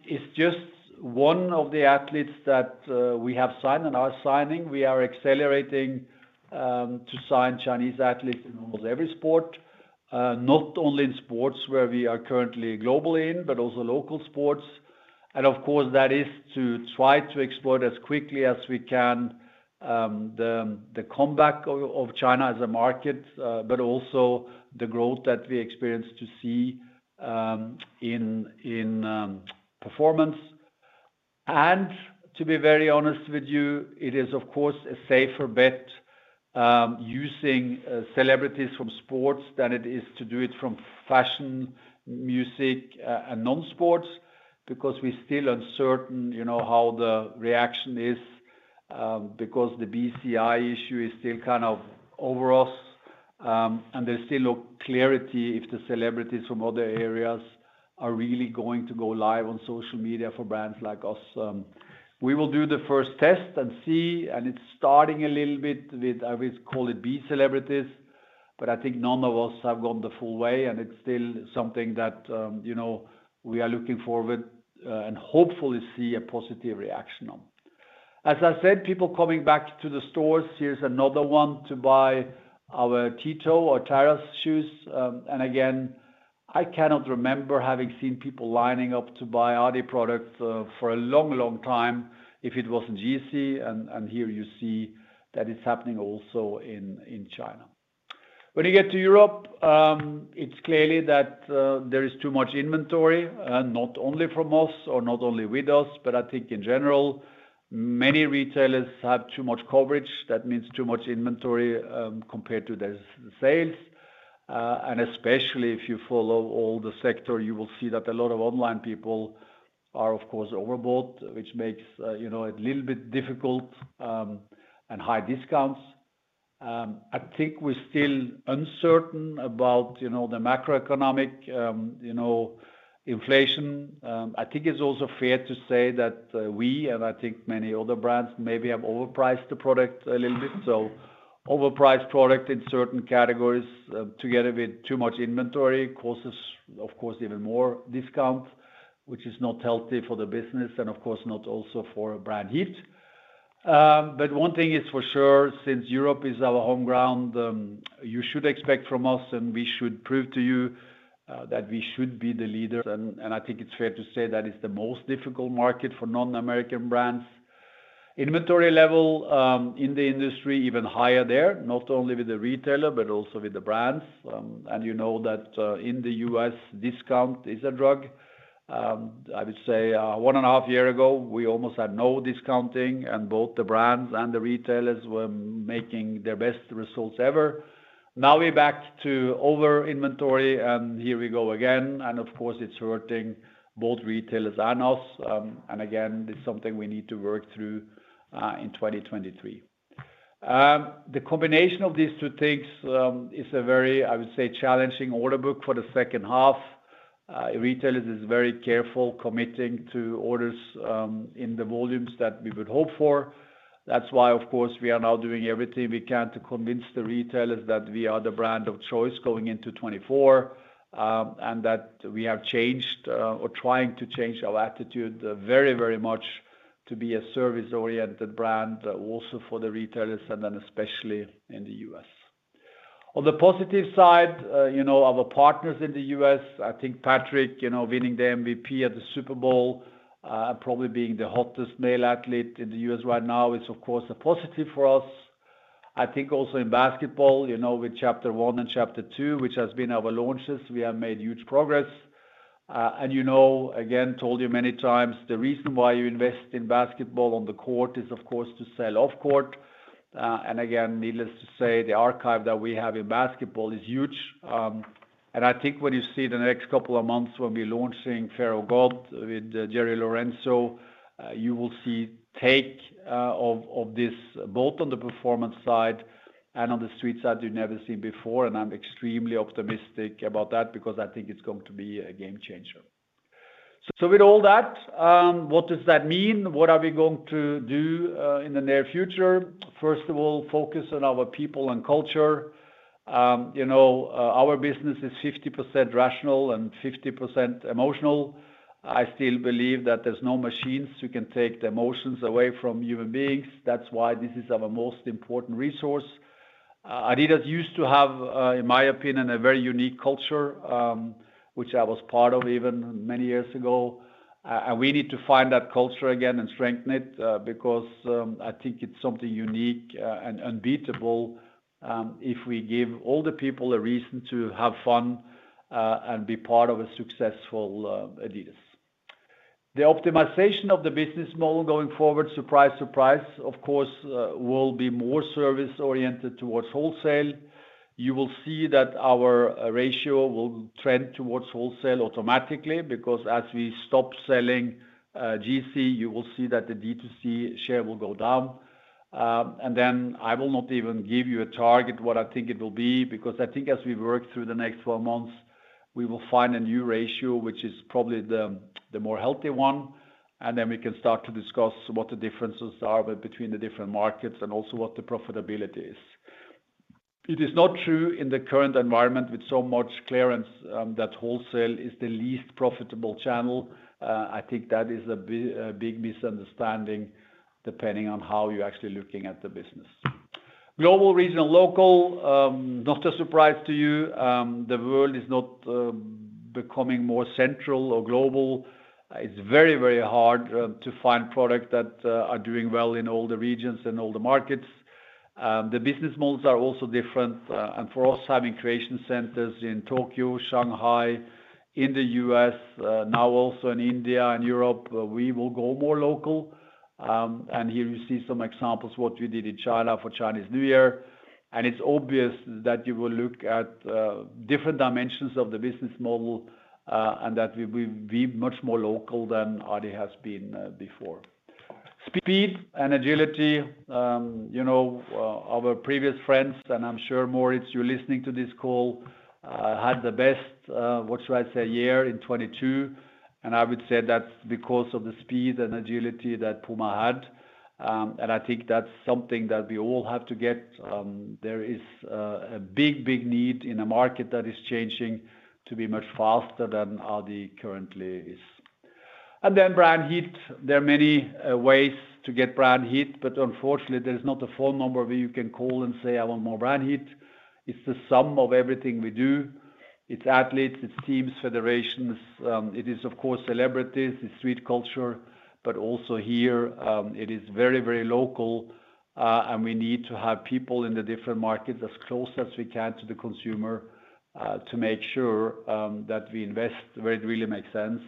is just one of the athletes that we have signed and are signing. We are accelerating to sign Chinese athletes in almost every sport, not only in sports where we are currently globally in, but also local sports. Of course, that is to try to explore as quickly as we can, the comeback of China as a market, but also the growth that we experience to see in performance. To be very honest with you, it is of course a safer bet, using celebrities from sports than it is to do it from fashion, music, and non-sports because we're still uncertain, you know, how the reaction is, because the BCI issue is still kind of over us, and there's still no clarity if the celebrities from other areas are really going to go live on social media for brands like us. We will do the first test and see, and it's starting a little bit with, I would call it B celebrities, but I think none of us have gone the full way, and it's still something that, you know, we are looking forward, and hopefully see a positive reaction on. As I said, people coming back to the stores, here's another one to buy our T-Toe or Terrace shoes. Again, I cannot remember having seen people lining up to buy Adi products for a long, long time if it wasn't Yeezy, and here you see that it's happening also in China. When you get to Europe, it's clearly that there is too much inventory, not only from us or not only with us, but I think in general, many retailers have too much coverage. That means too much inventory compared to their sales. Especially if you follow all the sector, you will see that a lot of online people are of course overbought, which makes you know, it a little bit difficult, and high discounts. I think we're still uncertain about, you know, the macroeconomic, you know, inflation. I think it's also fair to say that we and I think many other brands maybe have overpriced the product a little bit. Overpriced product in certain categories, together with too much inventory causes of course even more discount, which is not healthy for the business and of course not also for brand heat. One thing is for sure, since Europe is our home ground, you should expect from us, and we should prove to you that we should be the leader. I think it's fair to say that it's the most difficult market for non-American brands. Inventory level, in the industry, even higher there, not only with the retailer, but also with the brands. You know that, in the U.S., discount is a drug. I would say, one and a half year ago, we almost had no discounting, and both the brands and the retailers were making their best results ever. We're back to over-inventory, and here we go again. Of course, it's hurting both retailers and us. Again, it's something we need to work through in 2023. The combination of these two things is a very, I would say, challenging order book for the second half. Retailers is very careful committing to orders in the volumes that we would hope for. That's why of course, we are now doing everything we can to convince the retailers that we are the brand of choice going into 2024, and that we have changed, or trying to change our attitude very, very much to be a service-oriented brand also for the retailers and then especially in the U.S. On the positive side, you know, our partners in the U.S., I think Patrick, you know, winning the MVP at the Super Bowl, probably being the hottest male athlete in the U.S. right now is of course a positive for us. I think also in basketball, you know, with Chapter One and Chapter Two, which has been our launches, we have made huge progress. You know, again, told you many times, the reason why you invest in basketball on the court is of course to sell off court. Again, needless to say, the archive that we have in basketball is huge. I think what you see the next couple of months, we'll be launching Fear of God with Jerry Lorenzo. You will see take of this both on the performance side and on the street side you've never seen before. I'm extremely optimistic about that because I think it's going to be a game changer. With all that, what does that mean? What are we going to do in the near future? First of all, focus on our people and culture. You know, our business is 50% rational and 50% emotional. I still believe that there's no machines who can take the emotions away from human beings. That's why this is our most important resource. adidas used to have, in my opinion, a very unique culture, which I was part of even many years ago. We need to find that culture again and strengthen it, because I think it's something unique and unbeatable, if we give all the people a reason to have fun and be part of a successful adidas. The optimization of the business model going forward, surprise, of course, will be more service-oriented towards wholesale. You will see that our ratio will trend towards wholesale automatically, because as we stop selling, GC, you will see that the D2C share will go down. I will not even give you a target what I think it will be, because I think as we work through the next 12 months, we will find a new ratio, which is probably the more healthy one, and then we can start to discuss what the differences are between the different markets and also what the profitability is. It is not true in the current environment with so much clearance that wholesale is the least profitable channel. I think that is a big misunderstanding depending on how you're actually looking at the business. Global, regional, local, not a surprise to you. The world is not becoming more central or global. It's very, very hard to find products that are doing well in all the regions and all the markets. The business models are also different, and for us, having creation centers in Tokyo, Shanghai, in the US, now also in India and Europe, we will go more local. Here you see some examples what we did in China for Chinese New Year. It's obvious that you will look at different dimensions of the business model, and that we're much more local than adidas has been before. Speed and agility. You know, our previous friends, and I'm sure, Moritz, you're listening to this call, had the best, what should I say, year in 2022. I would say that's because of the speed and agility that Puma had. I think that's something that we all have to get. There is a big need in a market that is changing to be much faster than adidas currently is. Brand heat. There are many ways to get brand heat, but unfortunately, there is not a phone number where you can call and say, "I want more brand heat." It's the sum of everything we do. It's athletes, it's teams, federations, it is of course, celebrities, it's street culture, but also here, it is very local, and we need to have people in the different markets as close as we can to the consumer, to make sure that we invest where it really makes sense,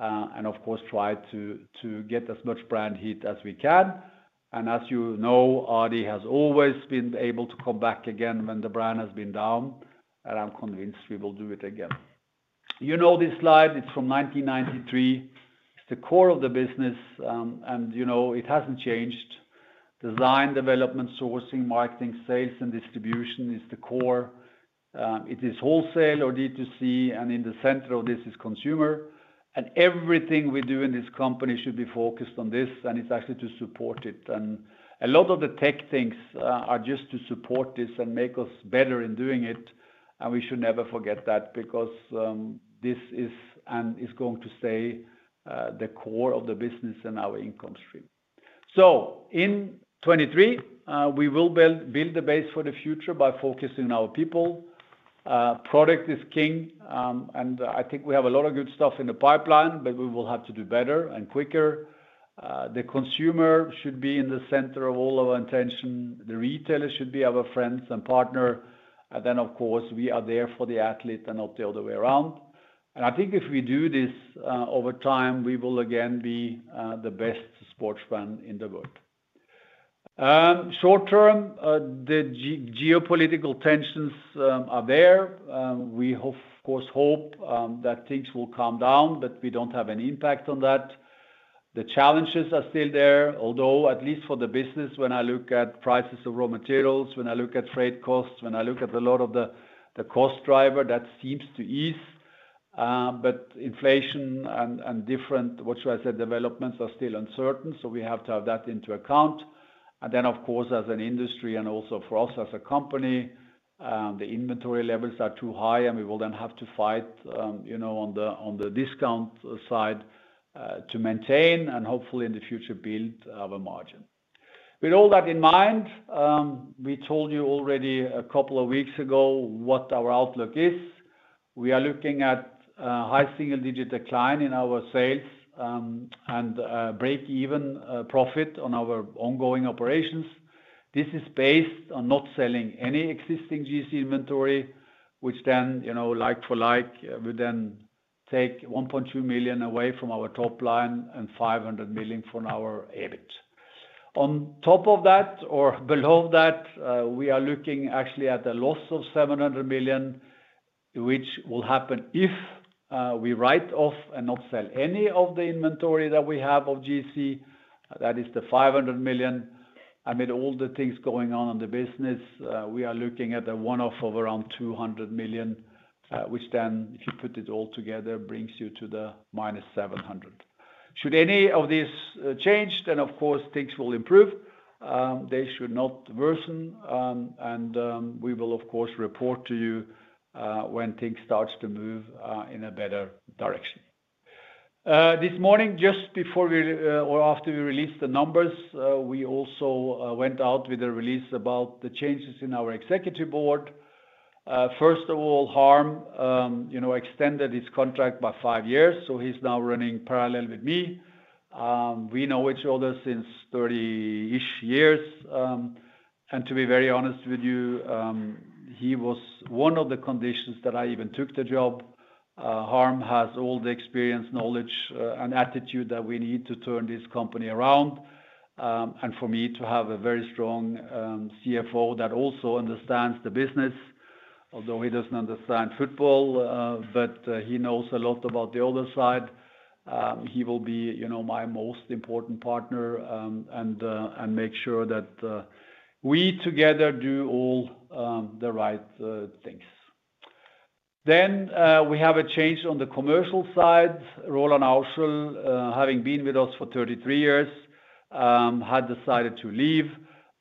and of course, try to get as much brand heat as we can. As you know, adidas has always been able to come back again when the brand has been down, and I'm convinced we will do it again. You know this slide, it's from 1993. It's the core of the business, and you know, it hasn't changed. Design, development, sourcing, marketing, sales, and distribution is the core. It is wholesale or D2C, and in the center of this is consumer. Everything we do in this company should be focused on this, and it's actually to support it. A lot of the tech things are just to support this and make us better in doing it. We should never forget that because this is and is going to stay the core of the business and our income stream. In 2023, we will build the base for the future by focusing on our people. Product is king, and I think we have a lot of good stuff in the pipeline, but we will have to do better and quicker. The consumer should be in the center of all our intention. The retailer should be our friends and partner. Of course, we are there for the athlete and not the other way around. I think if we do this, over time, we will again be the best sports brand in the world. Short term, the geopolitical tensions are there. We of course, hope that things will calm down, but we don't have any impact on that. The challenges are still there, although, at least for the business, when I look at prices of raw materials, when I look at freight costs, when I look at a lot of the cost driver, that seems to ease. Inflation and different, what should I say, developments are still uncertain, so we have to have that into account. Then, of course, as an industry and also for us as a company, the inventory levels are too high, and we will then have to fight, you know, on the discount side to maintain and hopefully in the future build our margin. With all that in mind, we told you already a couple of weeks ago what our outlook is. We are looking at a high single-digit decline in our sales, and break even profit on our ongoing operations. This is based on not selling any existing GC inventory, which then, you know, like for like, would then take 1.2 million away from our top line and 500 million from our EBIT. On top of that or below that, we are looking actually at a loss of 700 million, which will happen if we write off and not sell any of the inventory that we have of GC. That is the 500 million. Amid all the things going on in the business, we are looking at a one-off of around 200 million, which then, if you put it all together, brings you to the minus 700. Should any of this change, then of course things will improve. They should not worsen, and we will of course report to you when things starts to move in a better direction. This morning, just before or after we released the numbers, we also went out with a release about the changes in our Executive Board. First of all, Harm, you know, extended his contract by five years, so he's now running parallel with me. We know each other since 30-ish years. To be very honest with you, he was one of the conditions that I even took the job. Harm has all the experience, knowledge, and attitude that we need to turn this company around. For me to have a very strong CFO that also understands the business, although he doesn't understand football, but he knows a lot about the other side. He will be, you know, my most important partner, and make sure that we together do all the right things. We have a change on the commercial side. Roland Auschel, having been with us for 33 years, had decided to leave.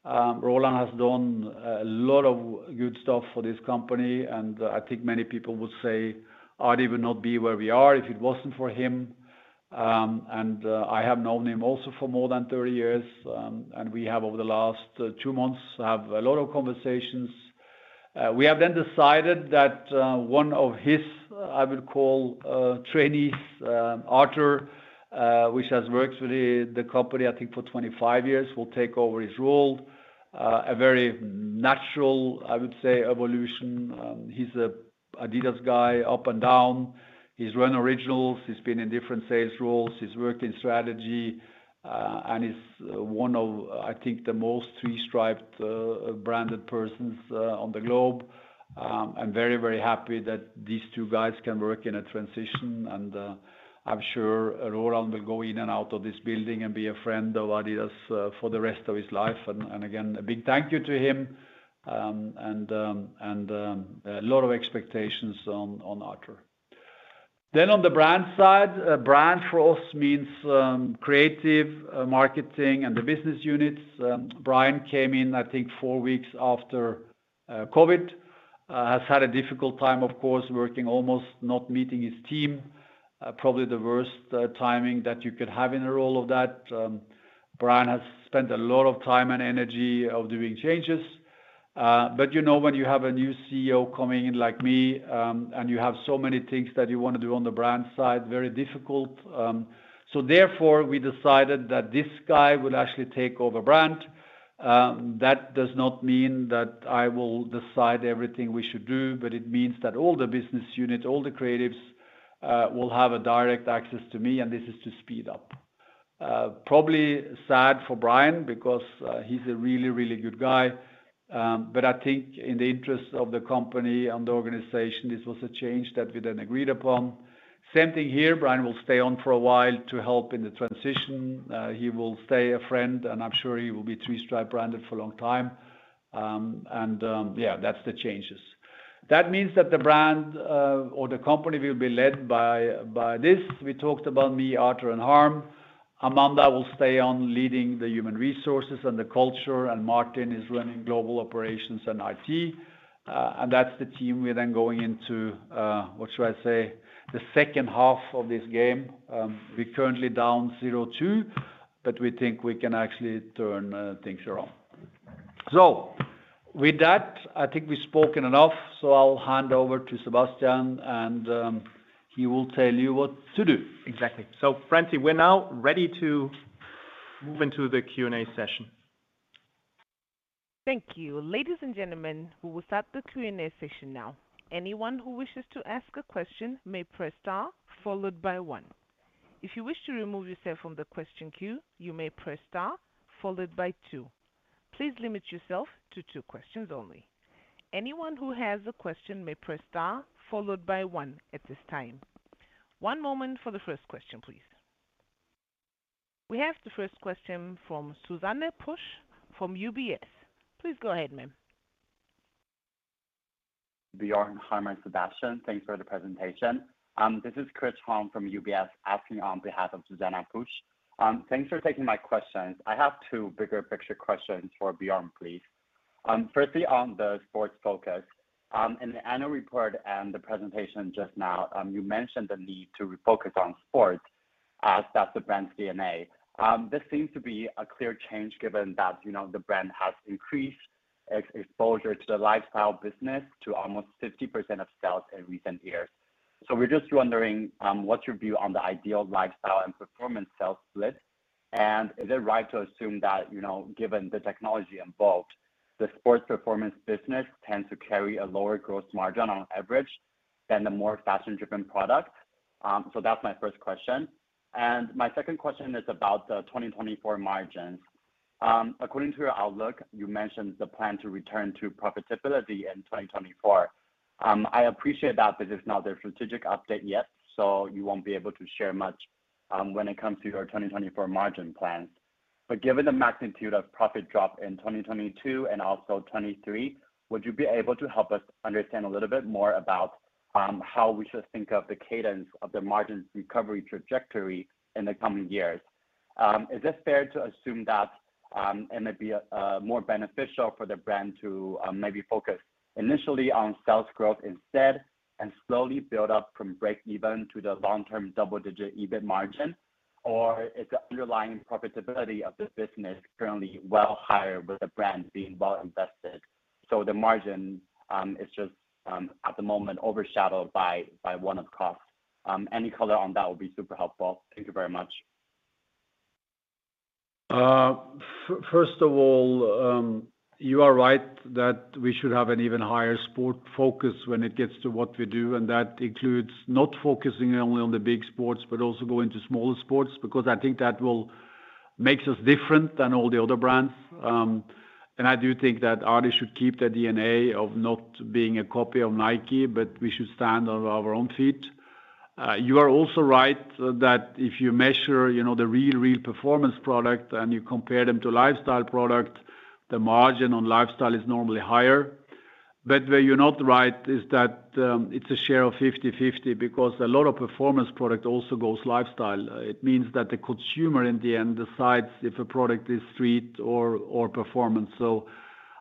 Roland has done a lot of good stuff for this company, and I think many people would say adidas would not be where we are if it wasn't for him. I have known him also for more than 30 years, and we have over the last 2 months have a lot of conversations. We have then decided that one of his, I would call, trainees, Artur, which has worked with the company I think for 25 years, will take over his role. A very natural, I would say, evolution. He's a adidas guy up and down. He's run Originals, he's been in different sales roles, he's worked in strategy, and he's one of, I think the most three-striped, branded persons on the globe. I'm very, very happy that these two guys can work in a transition and I'm sure Roland will go in and out of this building and be a friend of adidas for the rest of his life. Again, a big thank you to him, and a lot of expectations on Artur. On the brand side, brand for us means creative marketing and the business units. Brian came in I think 4 weeks after COVID. Has had a difficult time, of course, working almost not meeting his team. Probably the worst timing that you could have in a role of that. Brian has spent a lot of time and energy of doing changes. You know, when you have a new CEO coming in like me, and you have so many things that you wanna do on the brand side, very difficult. We decided that this guy would actually take over brand. That does not mean that I will decide everything we should do, but it means that all the business units, all the creatives, will have a direct access to me, and this is to speed up. Probably sad for Brian because he's a really, really good guy, but I think in the interest of the company and the organization, this was a change that we then agreed upon. Same thing here, Brian will stay on for a while to help in the transition. He will stay a friend, I'm sure he will be three stripe branded for a long time. That's the changes. That means that the brand or the company will be led by this. We talked about me, Artur, and Harm. Amanda will stay on leading the human resources and the culture, Martin is running global operations and IT. That's the team we are going into, what should I say? The second half of this game. We're currently down 0-2, we think we can actually turn things around. With that, I think we've spoken enough, so I'll hand over to Sebastian and he will tell you what to do. Exactly. Friends, we're now ready to move into the Q&A session. Thank you. Ladies and gentlemen, we will start the Q&A session now. Anyone who wishes to ask a question may press star followed by one. If you wish to remove yourself from the question queue, you may press star followed by two. Please limit yourself to 2 questions only. Anyone who has a question may press star followed by one at this time. 1 moment for the first question, please. We have the first question from Zuzanna Pusz from UBS. Please go ahead, ma'am. Bjørn, Harm, and Sebastian, thanks for the presentation. This is Cristina Hong from UBS, asking on behalf of Zuzanna Pusz. Thanks for taking my questions. I have two bigger picture questions for Bjørn, please. Firstly, on the sports focus. In the annual report and the presentation just now, you mentioned the need to refocus on sports, as that's the brand's DNA. This seems to be a clear change given that, you know, the brand has increased exposure to the lifestyle business to almost 50% of sales in recent years. We're just wondering, what's your view on the ideal lifestyle and performance sales split? Is it right to assume that, you know, given the technology involved, the sports performance business tends to carry a lower gross margin on average than the more fashion-driven product? That's my first question. My second question is about the 2024 margins. According to your outlook, you mentioned the plan to return to profitability in 2024. I appreciate that this is not a strategic update yet, so you won't be able to share much when it comes to your 2024 margin plans. Given the magnitude of profit drop in 2022 and also 2023, would you be able to help us understand a little bit more about how we should think of the cadence of the margins recovery trajectory in the coming years? Is it fair to assume that and it'd be more beneficial for the brand to maybe focus initially on sales growth instead and slowly build up from break even to the long-term double-digit EBIT margin? Is the underlying profitability of this business currently well higher with the brand being well invested, so the margin is just at the moment, overshadowed by one-off costs? Any color on that would be super helpful. Thank you very much. First of all, you are right that we should have an even higher sport focus when it gets to what we do, and that includes not focusing only on the big sports, but also go into smaller sports, because I think that will make us different than all the other brands. I do think that adidas should keep the DNA of not being a copy of Nike, but we should stand on our own feet. You are also right that if you measure, you know, the real performance product and you compare them to lifestyle product, the margin on lifestyle is normally higher. Where you're not right is that, it's a share of 50/50 because a lot of performance product also goes lifestyle. It means that the consumer, in the end, decides if a product is street or performance.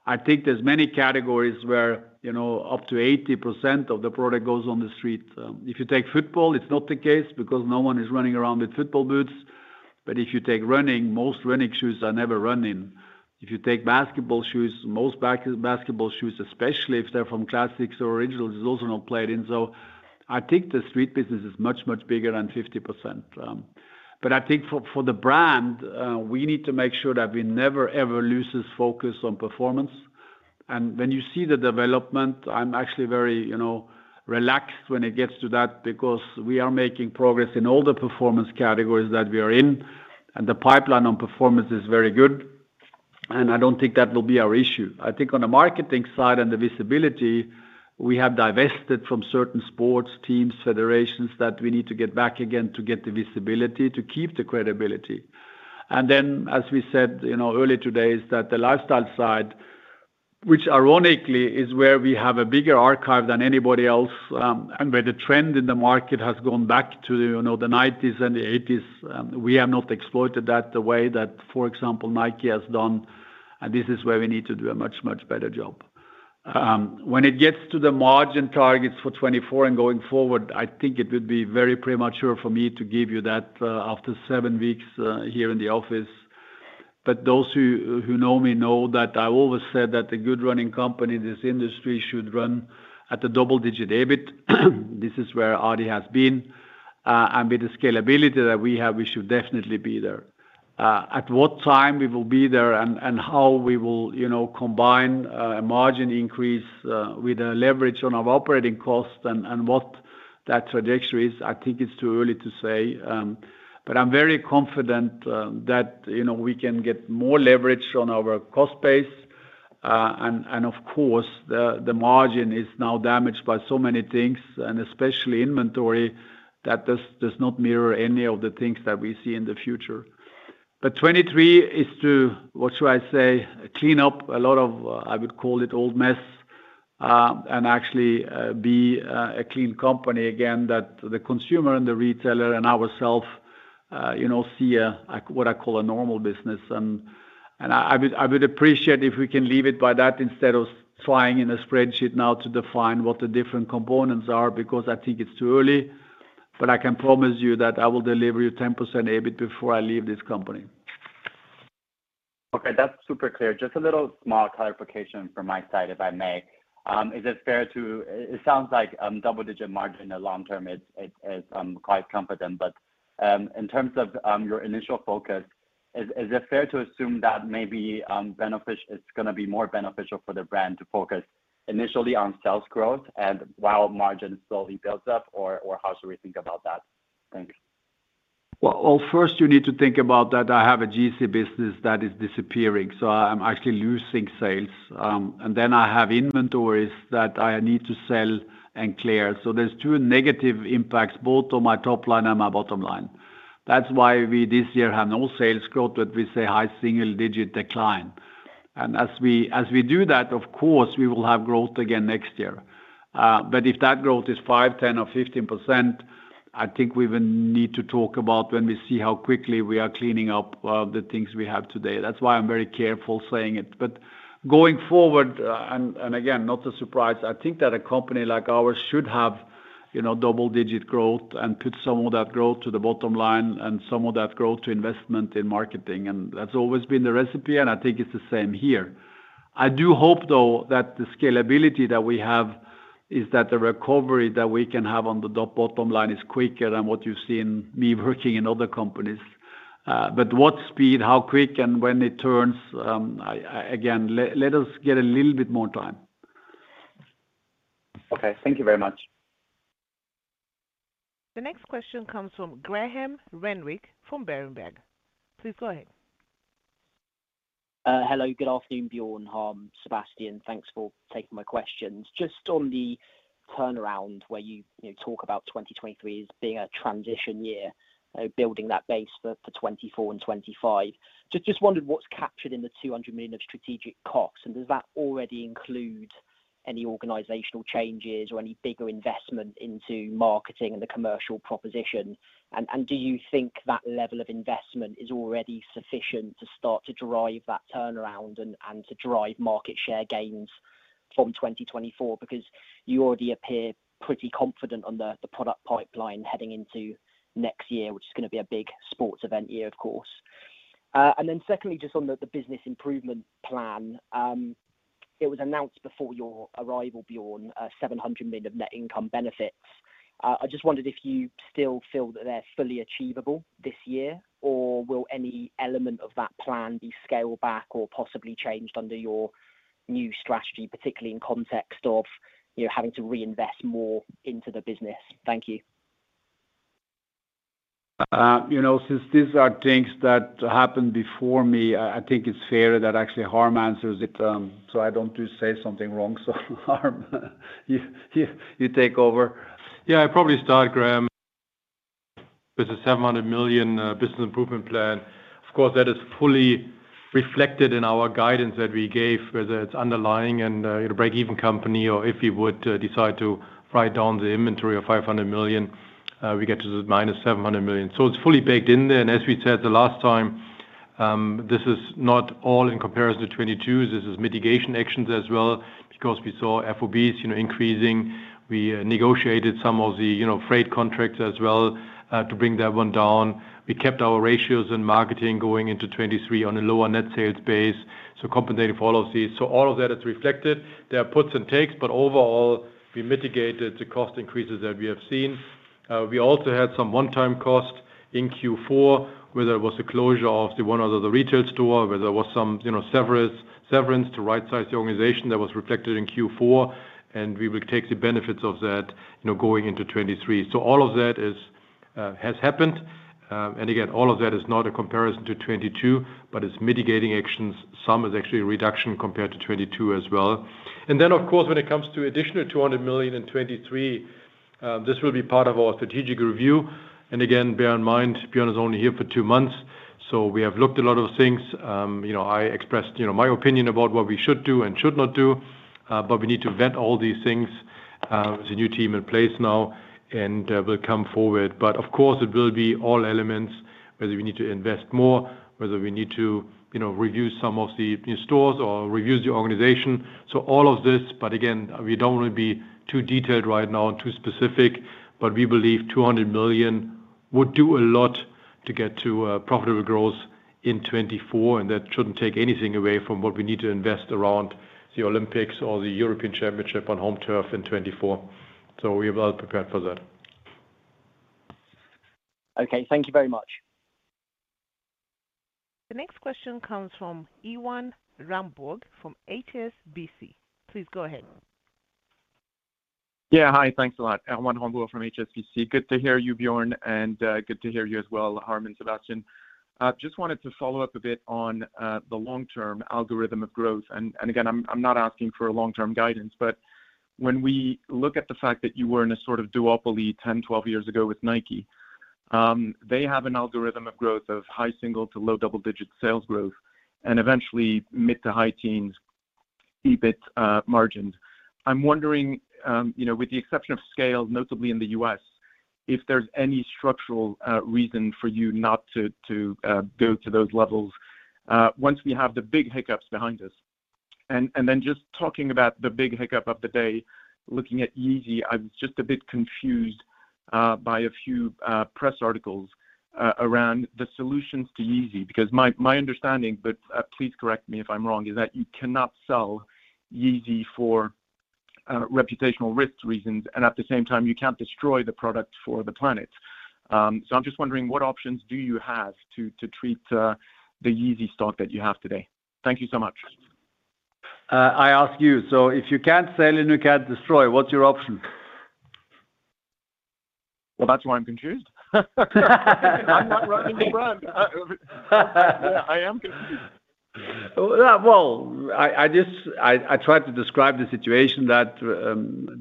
I think there's many categories where, you know, up to 80% of the product goes on the street. If you take football, it's not the case because no one is running around with football boots. If you take running, most running shoes are never run in. If you take basketball shoes, most basketball shoes, especially if they're from Classics or Originals, is also not played in. I think the street business is much bigger than 50%. I think for the brand, we need to make sure that we never, ever lose this focus on performance. When you see the development, I'm actually very, you know, relaxed when it gets to that because we are making progress in all the performance categories that we are in, and the pipeline on performance is very good, and I don't think that will be our issue. I think on the marketing side and the visibility, we have divested from certain sports teams, federations that we need to get back again to get the visibility, to keep the credibility. As we said, you know, earlier today, is that the lifestyle side, which ironically is where we have a bigger archive than anybody else, and where the trend in the market has gone back to, you know, the '90s and the '80s, we have not exploited that the way that, for example, Nike has done, and this is where we need to do a much, much better job. When it gets to the margin targets for 2024 and going forward, I think it would be very premature for me to give you that after seven weeks here in the office. Those who know me know that I always said that a good running company in this industry should run at a double-digit EBIT. This is where adidas has been, and with the scalability that we have, we should definitely be there. At what time we will be there and how we will, you know, combine, a margin increase, with a leverage on our operating cost and what that trajectory is, I think it's too early to say. I'm very confident, that, you know, we can get more leverage on our cost base. And of course, the margin is now damaged by so many things, and especially inventory that does not mirror any of the things that we see in the future. 23 is to, what should I say, clean up a lot of, I would call it old mess, and actually, be a clean company again, that the consumer and the retailer and ourself, you know, see what I call a normal business. I would appreciate if we can leave it by that instead of trying in a spreadsheet now to define what the different components are, because I think it's too early. I can promise you that I will deliver you 10% EBIT before I leave this company. Okay, that's super clear. Just a little small clarification from my side, if I may. Is it fair to assume that it sounds like double-digit margin in the long term it's quite confident, but in terms of your initial focus, is it fair to assume that maybe it's gonna be more beneficial for the brand to focus initially on sales growth and while margin slowly builds up? Or how should we think about that? Thanks. First you need to think about that I have a GC business that is disappearing, so I'm actually losing sales. I have inventories that I need to sell and clear. There's two negative impacts, both on my top line and my bottom line. That's why we, this year, have no sales growth, but we say high single-digit decline. As we, as we do that, of course, we will have growth again next year. If that growth is 5, 10, or 15%, I think we will need to talk about when we see how quickly we are cleaning up, the things we have today. That's why I'm very careful saying it. Going forward, and again, not a surprise, I think that a company like ours should have, you know, double-digit growth and put some of that growth to the bottom line and some of that growth to investment in marketing. That's always been the recipe, and I think it's the same here. I do hope, though, that the scalability that we have is that the recovery that we can have on the bottom line is quicker than what you've seen me working in other companies. What speed, how quick, and when it turns, again, let us get a little bit more time. Okay. Thank you very much. The next question comes from Graham Renwick from Berenberg. Please go ahead. Hello. Good afternoon, Björn, Harm, Sebastian. Thanks for taking my questions. Just on the turnaround where you talk about 2023 as being a transition year, building that base for 2024 and 2025. Wondered what's captured in the 200 million of strategic costs, and does that already include any organizational changes or any bigger investment into marketing and the commercial proposition? Do you think that level of investment is already sufficient to start to drive that turnaround and to drive market share gains from 2024? Because you already appear pretty confident on the product pipeline heading into next year, which is gonna be a big sports event year, of course. Secondly, just on the business improvement plan. It was announced before your arrival, Björn, 700 million of net income benefits. I just wondered if you still feel that they're fully achievable this year, or will any element of that plan be scaled back or possibly changed under your new strategy, particularly in context of, you know, having to reinvest more into the business? Thank you. You know, since these are things that happened before me, I think it's fair that actually Harm answers it, so I don't just say something wrong. Harm, you take over. Yeah, I'll probably start, Graham. With the 700 million business improvement plan. Of course, that is fully reflected in our guidance that we gave, whether it's underlying and it'll break even company or if we would decide to write down the inventory of 500 million, we get to the minus 700 million. It's fully baked in there. As we said the last time, this is not all in comparison to 2022. This is mitigation actions as well because we saw FOBs, you know, increasing. We negotiated some of the, you know, freight contracts as well to bring that one down. We kept our ratios in marketing going into 2023 on a lower net sales base, so compensated for all of these. All of that is reflected. Overall, we mitigated the cost increases that we have seen. We also had some one-time cost in Q4, whether it was the closure of the one other retail store, whether it was some, you know, severance to right-size the organization that was reflected in Q4, we will take the benefits of that, you know, going into 2023. All of that has happened. Again, all of that is not a comparison to 2022, it's mitigating actions. Some is actually a reduction compared to 2022 as well. Of course, when it comes to additional 200 million in 2023, this will be part of our strategic review. Again, bear in mind, Björn is only here for two months, we have looked a lot of things. You know, I expressed, you know, my opinion about what we should do and should not do, we need to vet all these things with the new team in place now, and will come forward. Of course, it will be all elements, whether we need to invest more, whether we need to, you know, review some of the new stores or review the organization. All of this, again, we don't want to be too detailed right now and too specific, but we believe 200 million would do a lot to get to profitable growth in 2024, and that shouldn't take anything away from what we need to invest around the Olympics or the European Championship on home turf in 2024. We're well prepared for that. Okay. Thank you very much. The next question comes from Erwan Rambourg from HSBC. Please go ahead. Yeah. Hi. Thanks a lot. Erwan Rambourg from HSBC. Good to hear you, Björn, and good to hear you as well, Harm and Sebastian. Just wanted to follow up a bit on the long-term algorithm of growth. Again, I'm not asking for a long-term guidance, but when we look at the fact that you were in a sort of duopoly 10, 12 years ago with Nike, they have an algorithm of growth of high single to low double-digit sales growth and eventually mid to high teens EBIT margins. I'm wondering, you know, with the exception of scale, notably in the U.S., if there's any structural reason for you not to go to those levels once we have the big hiccups behind us. Then just talking about the big hiccup of the day, looking at Yeezy, I'm just a bit confused by a few press articles around the solutions to Yeezy. My understanding, but please correct me if I'm wrong, is that you cannot sell Yeezy for reputational risk reasons, and at the same time, you can't destroy the product for the planet. I'm just wondering what options do you have to treat the Yeezy stock that you have today? Thank you so much. I ask you. If you can't sell and you can't destroy, what's your option? Well, that's why I'm confused. I'm not running the brand. yeah, I am confused. I tried to describe the situation that,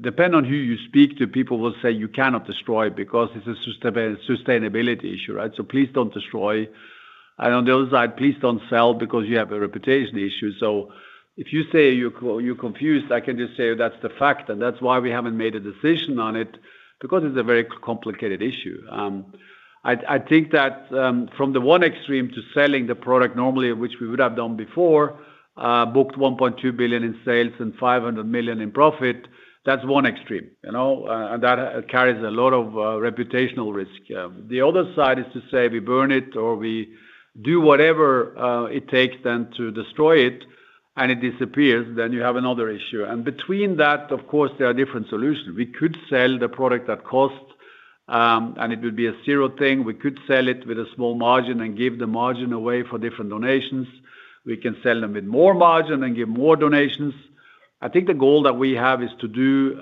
depend on who you speak to, people will say you cannot destroy because it's a sustainability issue, right? Please don't destroy. On the other side, please don't sell because you have a reputation issue. If you say you're confused, I can just say that's the fact, and that's why we haven't made a decision on it, because it's a very complicated issue. I think that, from the one extreme to selling the product normally, which we would have done before, booked 1.2 billion in sales and 500 million in profit, that's one extreme, you know? That carries a lot of reputational risk. The other side is to say we burn it or we do whatever it takes then to destroy it and it disappears, then you have another issue. Between that, of course, there are different solutions. We could sell the product at cost, and it would be a zero thing. We could sell it with a small margin and give the margin away for different donations. We can sell them with more margin and give more donations. I think the goal that we have is to do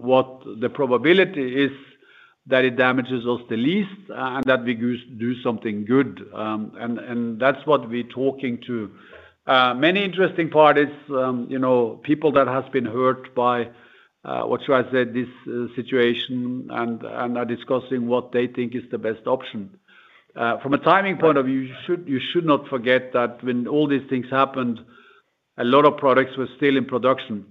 what the probability is that it damages us the least and that we do something good. That's what we're talking to. Many interesting parties, you know, people that has been hurt by what should I say, this situation and are discussing what they think is the best option. From a timing point of view, you should not forget that when all these things happened, a lot of products were still in production.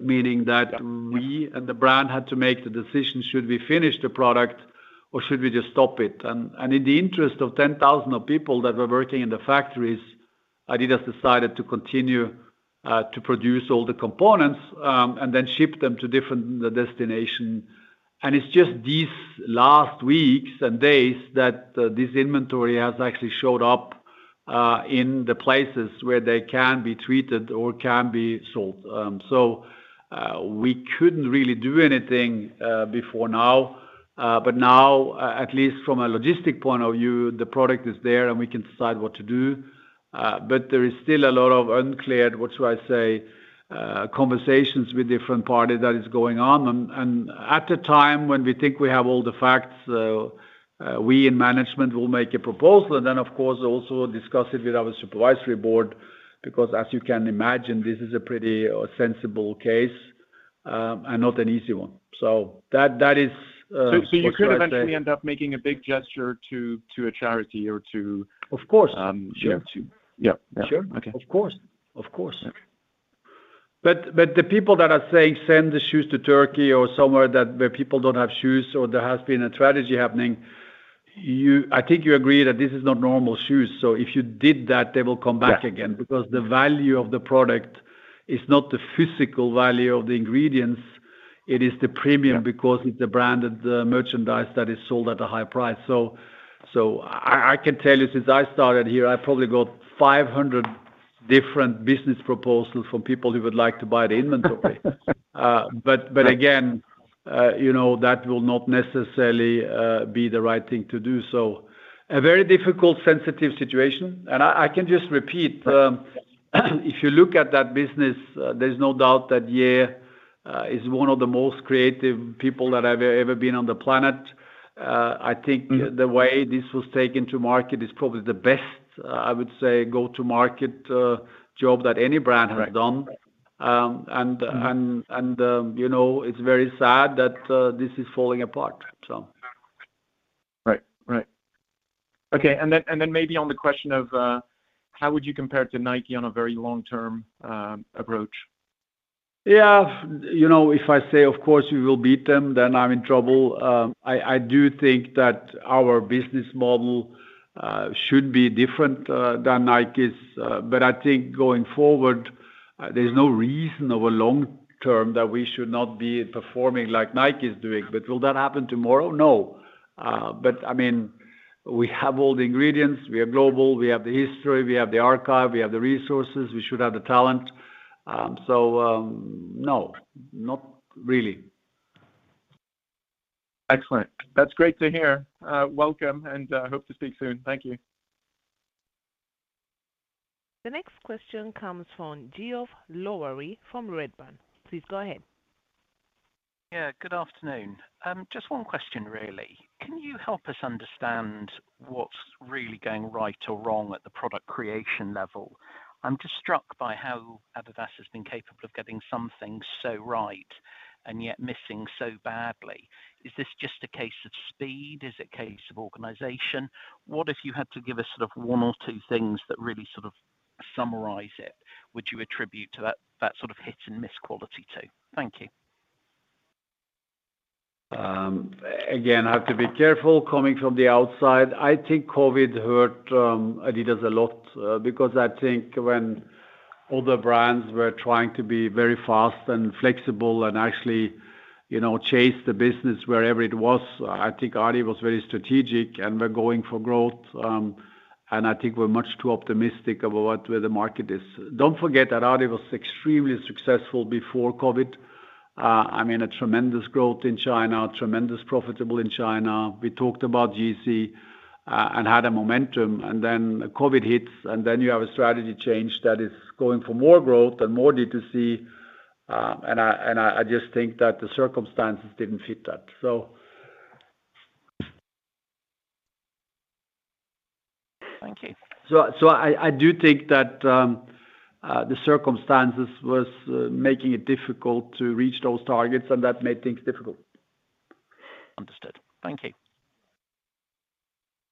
Meaning that. Yeah. we and the brand had to make the decision, should we finish the product or should we just stop it? In the interest of 10,000 of people that were working in the factories, Adidas decided to continue to produce all the components and then ship them to different destinations. It's just these last weeks and days that this inventory has actually showed up in the places where they can be treated or can be sold. We couldn't really do anything before now. Now, at least from a logistic point of view, the product is there and we can decide what to do. There is still a lot of uncleared, what should I say, conversations with different parties that is going on. At a time when we think we have all the facts, we in management will make a proposal and then, of course, also discuss it with our supervisory board, because as you can imagine, this is a pretty sensible case, and not an easy one. That is. You could eventually end up making a big gesture to a charity or. Of course. Um. Sure. Yeah. Yeah. Sure. Okay. Of course. Of course. Okay. The people that are saying send the shoes to Turkey or somewhere that where people don't have shoes or there has been a tragedy happening, I think you agree that this is not normal shoes. If you did that, they will come back again. Yeah. The value of the product is not the physical value of the ingredients. It is the premium- Yeah. because it's a branded merchandise that is sold at a high price. I can tell you since I started here, I probably got 500 different business proposals from people who would like to buy the inventory. Again, you know, that will not necessarily be the right thing to do. A very difficult, sensitive situation. I can just repeat, if you look at that business, there's no doubt that Ye is one of the most creative people that have ever been on the planet. I think Mm-hmm. The way this was taken to market is probably the best, I would say, go-to-market, job that any brand has done. Right. Right. You know, it's very sad that this is falling apart. So... Right. Right. Okay. Then maybe on the question of, how would you compare to Nike on a very long-term approach? Yeah. You know, if I say, of course, we will beat them, then I'm in trouble. I do think that our business model should be different than Nike's. I think going forward, there's no reason over long term that we should not be performing like Nike is doing. Will that happen tomorrow? No. I mean, we have all the ingredients, we are global, we have the history, we have the archive, we have the resources, we should have the talent. No, not really. Excellent. That's great to hear. Welcome. Hope to speak soon. Thank you. The next question comes from Geoff Lowery from Redburn. Please go ahead. Good afternoon. Just one question, really. Can you help us understand what's really going right or wrong at the product creation level? I'm just struck by how adidas has been capable of getting some things so right and yet missing so badly. Is this just a case of speed? Is it a case of organization? What if you had to give us sort of one or two things that really sort of summarize it, would you attribute to that sort of hit and miss quality to? Thank you. Again, I have to be careful coming from the outside. I think COVID hurt adidas a lot because I think when other brands were trying to be very fast and flexible and actually, you know, chase the business wherever it was, I think Adi was very strategic, and we're going for growth. I think we're much too optimistic about where the market is. Don't forget that Adi was extremely successful before COVID. I mean, a tremendous growth in China, tremendous profitable in China. We talked about GC, had a momentum, then COVID hits, then you have a strategy change that is going for more growth and more D2C. I, and I just think that the circumstances didn't fit that. Thank you. I do think that the circumstances was making it difficult to reach those targets, and that made things difficult. Understood. Thank you.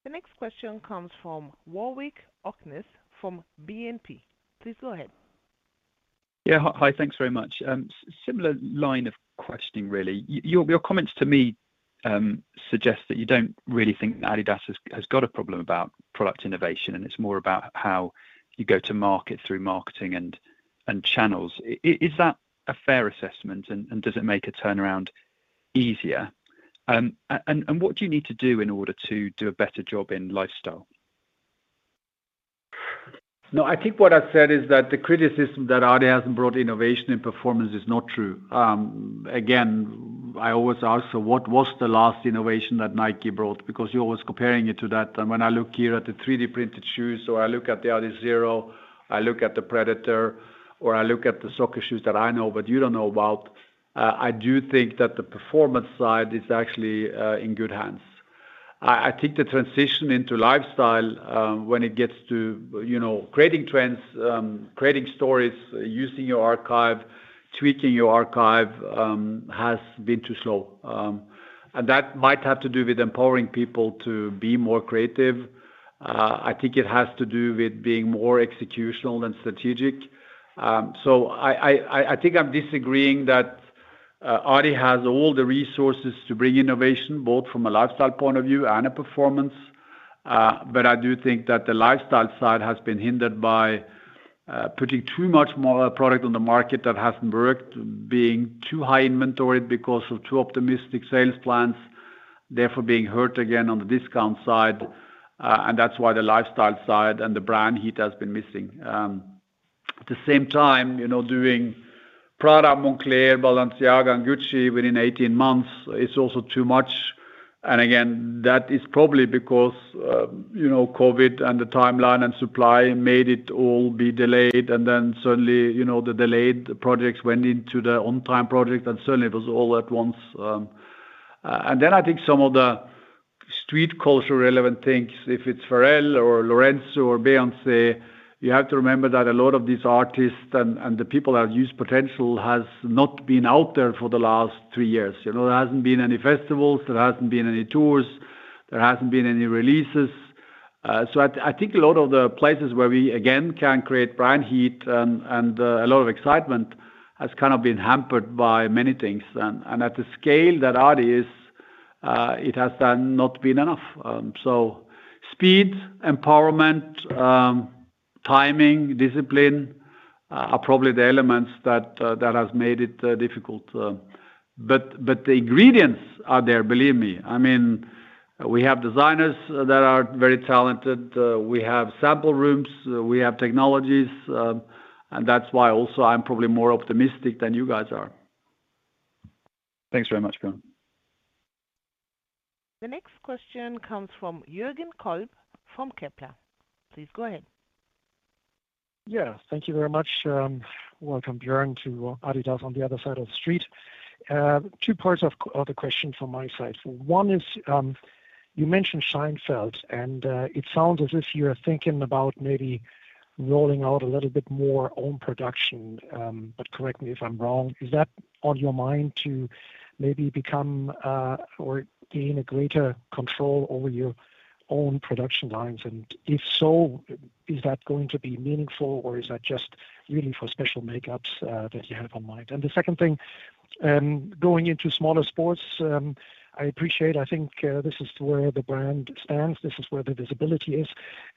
The next question comes from Warwick Okines from BNP. Please go ahead. Yeah. Hi, thanks very much. Similar line of questioning, really. Your comments to me suggest that you don't really think adidas has got a problem about product innovation, and it's more about how you go to market through marketing and channels. Is that a fair assessment, and does it make a turnaround easier? What do you need to do in order to do a better job in lifestyle? I think what I said is that the criticism that Adi hasn't brought innovation and performance is not true. Again, I always ask, what was the last innovation that Nike brought? Because you're always comparing it to that. When I look here at the 3D printed shoes, or I look at the adizero, I look at the Predator, or I look at the soccer shoes that I know but you don't know about, I do think that the performance side is actually in good hands. I think the transition into lifestyle, when it gets to, you know, creating trends, creating stories, using your archive, tweaking your archive, has been too slow. That might have to do with empowering people to be more creative. I think it has to do with being more executional than strategic. I think I'm disagreeing that adidas has all the resources to bring innovation, both from a lifestyle point of view and a performance. I do think that the lifestyle side has been hindered by putting too much more product on the market that hasn't worked, being too high inventoried because of too optimistic sales plans, therefore being hurt again on the discount side. That's why the lifestyle side and the brand heat has been missing. At the same time, you know, doing Prada, Moncler, Balenciaga, and Gucci within 18 months is also too much. Again, that is probably because, you know, COVID and the timeline and supply made it all be delayed. Suddenly, you know, the delayed projects went into the on time project, suddenly it was all at once. I think some of the street culture relevant things, if it's Pharrell or Lorenzo or Beyoncé, you have to remember that a lot of these artists and the people that have youth potential has not been out there for the last three years. You know, there hasn't been any festivals. There hasn't been any tours. There hasn't been any releases. I think a lot of the places where we again can create brand heat and a lot of excitement has kind of been hampered by many things. And at the scale that Adi is, it has not been enough. Speed, empowerment, timing, discipline are probably the elements that has made it difficult. The ingredients are there, believe me. I mean, we have designers that are very talented. We have sample rooms. We have technologies, and that's why also I'm probably more optimistic than you guys are. Thanks very much, Bjørn. The next question comes from Jürgen Kolb from Kepler. Please go ahead. Yeah. Thank you very much. Welcome, Bjorn, to adidas on the other side of the street. Two parts of the question from my side. One is, you mentioned Scheinfeld, and it sounds as if you're thinking about maybe rolling out a little bit more own production, but correct me if I'm wrong. Is that on your mind to maybe become or gain a greater control over your own production lines? If so, is that going to be meaningful, or is that just really for special makeups that you have on mind? The second thing, going into smaller sports, I appreciate. I think, this is where the brand stands. This is where the visibility is.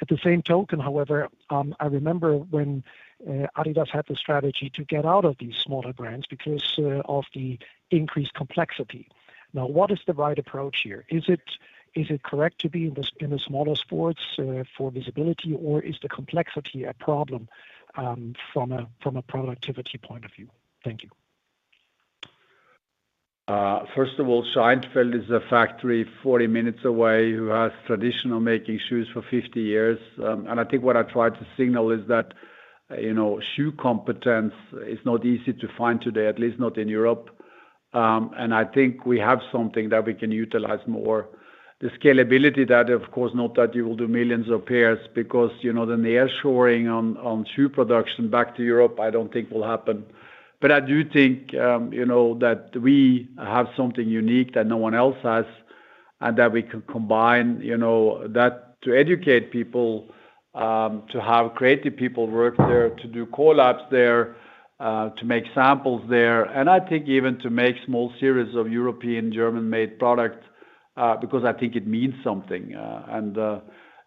At the same token, however, I remember when adidas had the strategy to get out of these smaller brands because of the increased complexity. What is the right approach here? Is it correct to be in the smaller sports for visibility, or is the complexity a problem from a productivity point of view? Thank you. First of all, Scheinfeld is a factory 40 minutes away who has traditional making shoes for 50 years. I think what I tried to signal is that, you know, shoe competence is not easy to find today, at least not in Europe. I think we have something that we can utilize more. The scalability that, of course, not that you will do millions of pairs because, you know, then the offshoring on shoe production back to Europe, I don't think will happen. I do think, you know, that we have something unique that no one else has and that we can combine, you know, that to educate people, to have creative people work there, to do collabs there, to make samples there, and I think even to make small series of European German-made products, because I think it means something.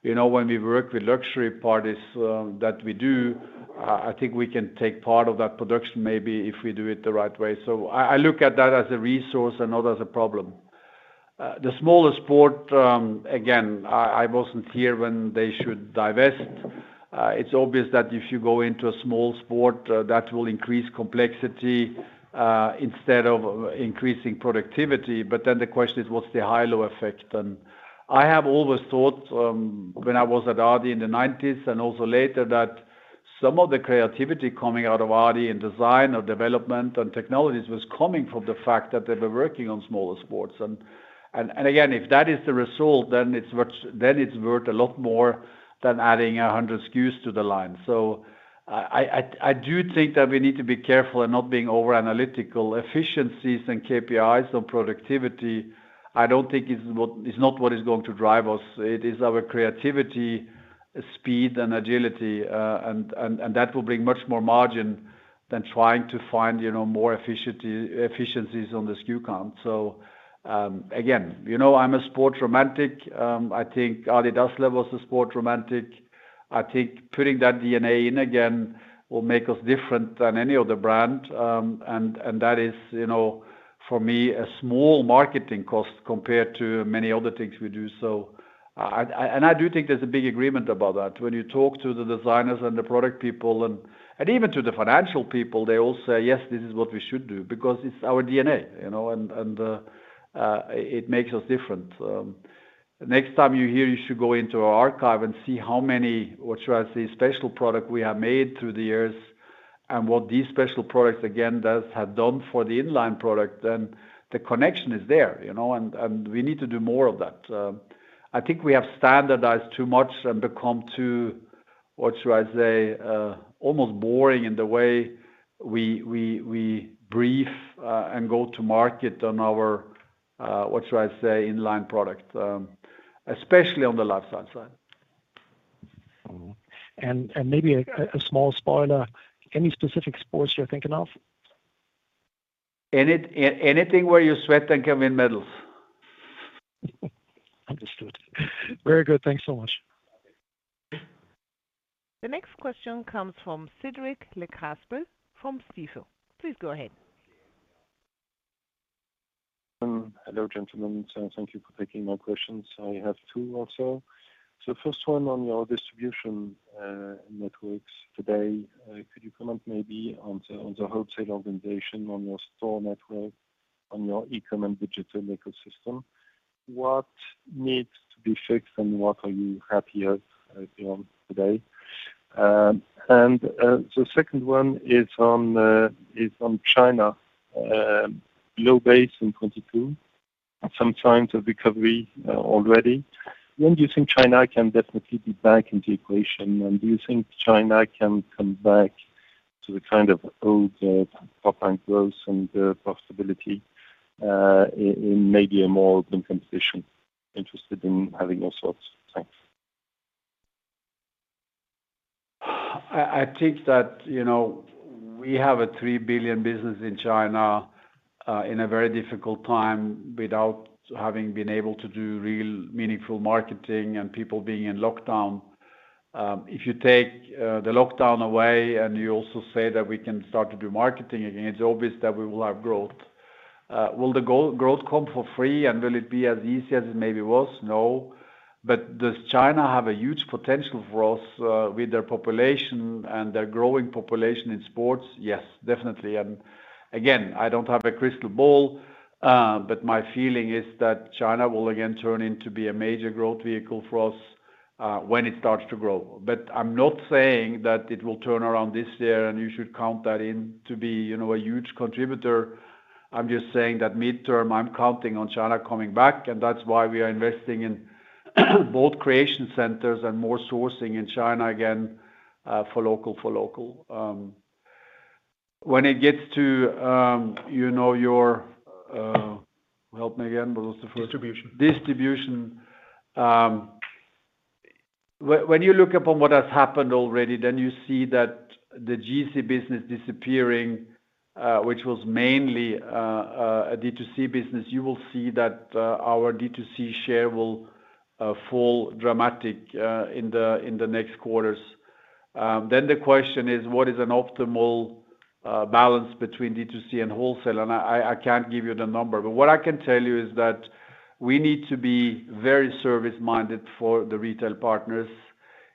You know, when we work with luxury parties, that we do, I think we can take part of that production maybe if we do it the right way. I look at that as a resource and not as a problem. The smaller sport, again, I wasn't here when they should divest. It's obvious that if you go into a small sport, that will increase complexity, instead of increasing productivity. The question is, what's the high low effect? I have always thought, when I was at adidas in the 1990s and also later, that some of the creativity coming out of adidas in design or development and technologies was coming from the fact that they were working on smaller sports. Again, if that is the result, then it's worth, then it's worth a lot more than adding 100 SKUs to the line. I do think that we need to be careful in not being over analytical. Efficiencies and KPIs on productivity, I don't think is not what is going to drive us. It is our creativity, speed, and agility, and that will bring much more margin than trying to find, you know, more efficiencies on the SKU count. Again, you know, I'm a sports romantic. I think adidas level is a sport romantic. I think putting that DNA in again will make us different than any other brand. And that is, you know, for me, a small marketing cost compared to many other things we do. I do think there's a big agreement about that. When you talk to the designers and the product people and even to the financial people, they all say, "Yes, this is what we should do because it's our DNA," you know? It makes us different. Next time you're here, you should go into our archive and see how many, what should I say, special product we have made through the years. What these special products, again, does have done for the inline product, then the connection is there, you know, and we need to do more of that. I think we have standardized too much and become too, what should I say, almost boring in the way we brief and go to market on our, what should I say, inline product, especially on the lifestyle side. Mm-hmm. Maybe a small spoiler. Any specific sports you're thinking of? Anything where you sweat and can win medals. Understood. Very good. Thanks so much. The next question comes from Cédric Lecasble from Stifel. Please go ahead. Hello, gentlemen. Thank you for taking my questions. I have two also. First one on your distribution networks today. Could you comment maybe on the, on the wholesale organization, on your store network, on your e-commerce and digital ecosystem? What needs to be fixed, and what are you happy of, beyond today? The second one is on, is on China. Low base in 22, some signs of recovery already. When do you think China can definitely be back into equation? Do you think China can come back to the kind of old top-line growth and profitability in maybe a more open competition? Interested in having your thoughts. Thanks. I think that, you know, we have a 3 billion business in China, in a very difficult time without having been able to do real meaningful marketing and people being in lockdown. If you take the lockdown away and you also say that we can start to do marketing again, it's obvious that we will have growth. Will the go-growth come for free, and will it be as easy as it maybe was? No. Does China have a huge potential for us, with their population and their growing population in sports? Yes, definitely. Again, I don't have a crystal ball, but my feeling is that China will again turn in to be a major growth vehicle for us, when it starts to grow. I'm not saying that it will turn around this year and you should count that in to be, you know, a huge contributor. I'm just saying that midterm, I'm counting on China coming back, and that's why we are investing in both creation centers and more sourcing in China again, for local. When it gets to, you know, your... Help me again, what was the first? Distribution. Distribution. When you look upon what has happened already, you see that the GC business disappearing, which was mainly a D2C business, you will see that our D2C share will fall dramatic in the next quarters. The question is, what is an optimal balance between D2C and wholesale? I can't give you the number, but what I can tell you is that we need to be very service-minded for the retail partners.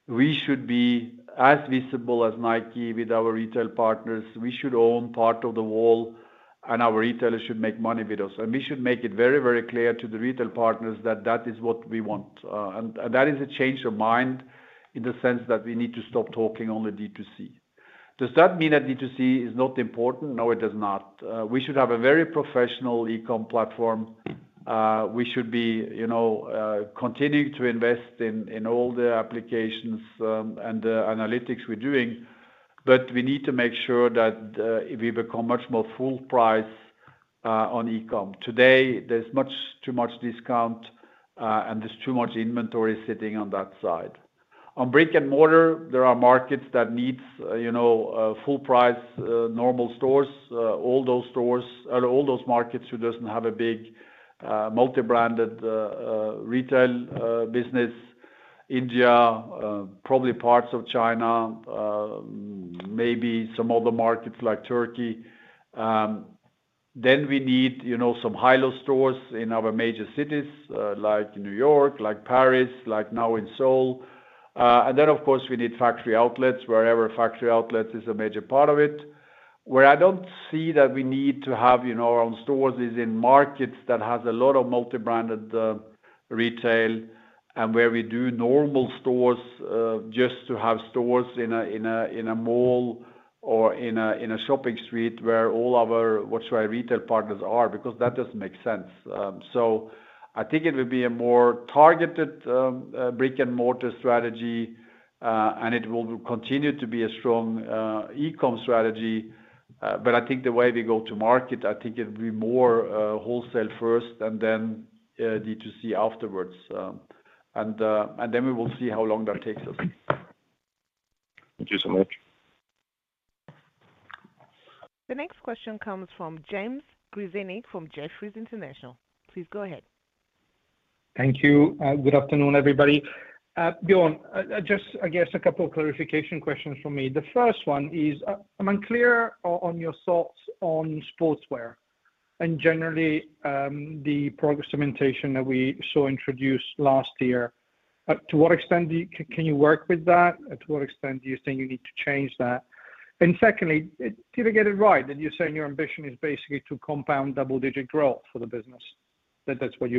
We should be as visible as Nike with our retail partners. We should own part of the wall, and our retailers should make money with us. We should make it very, very clear to the retail partners that that is what we want. That is a change of mind in the sense that we need to stop talking only D2C. Does that mean that D2C is not important? No, it does not. We should have a very professional e-com platform. We should be, you know, continuing to invest in all the applications, and the analytics we're doing. We need to make sure that we become much more full price on e-com. Today, there's much too much discount, and there's too much inventory sitting on that side. On brick and mortar, there are markets that needs, you know, full price, normal stores. All those stores or all those markets who doesn't have a big, multi-branded, retail business. India, probably parts of China, maybe some other markets like Turkey. We need, you know, some high-low stores in our major cities, like New York, like Paris, like now in Seoul. Of course we need factory outlets wherever factory outlets is a major part of it. Where I don't see that we need to have, you know, our own stores is in markets that has a lot of multi-branded retail and where we do normal stores, just to have stores in a, in a, in a mall or in a, in a shopping street where all our, what should I, retail partners are, because that doesn't make sense. I think it will be a more targeted brick and mortar strategy, and it will continue to be a strong e-com strategy. I think the way we go to market, I think it will be more, wholesale first and then, D2C afterwards. We will see how long that takes us. Thank you so much. The next question comes from James Grzinic from Jefferies International. Please go ahead. Thank you. Good afternoon, everybody. Bjørn, just I guess a couple clarification questions from me. The first one is, I'm unclear on your thoughts on sportswear and generally, the product segmentation that we saw introduced last year. To what extent can you work with that? To what extent do you think you need to change that? Secondly, did I get it right that you're saying your ambition is basically to compound double-digit growth for the business? That's what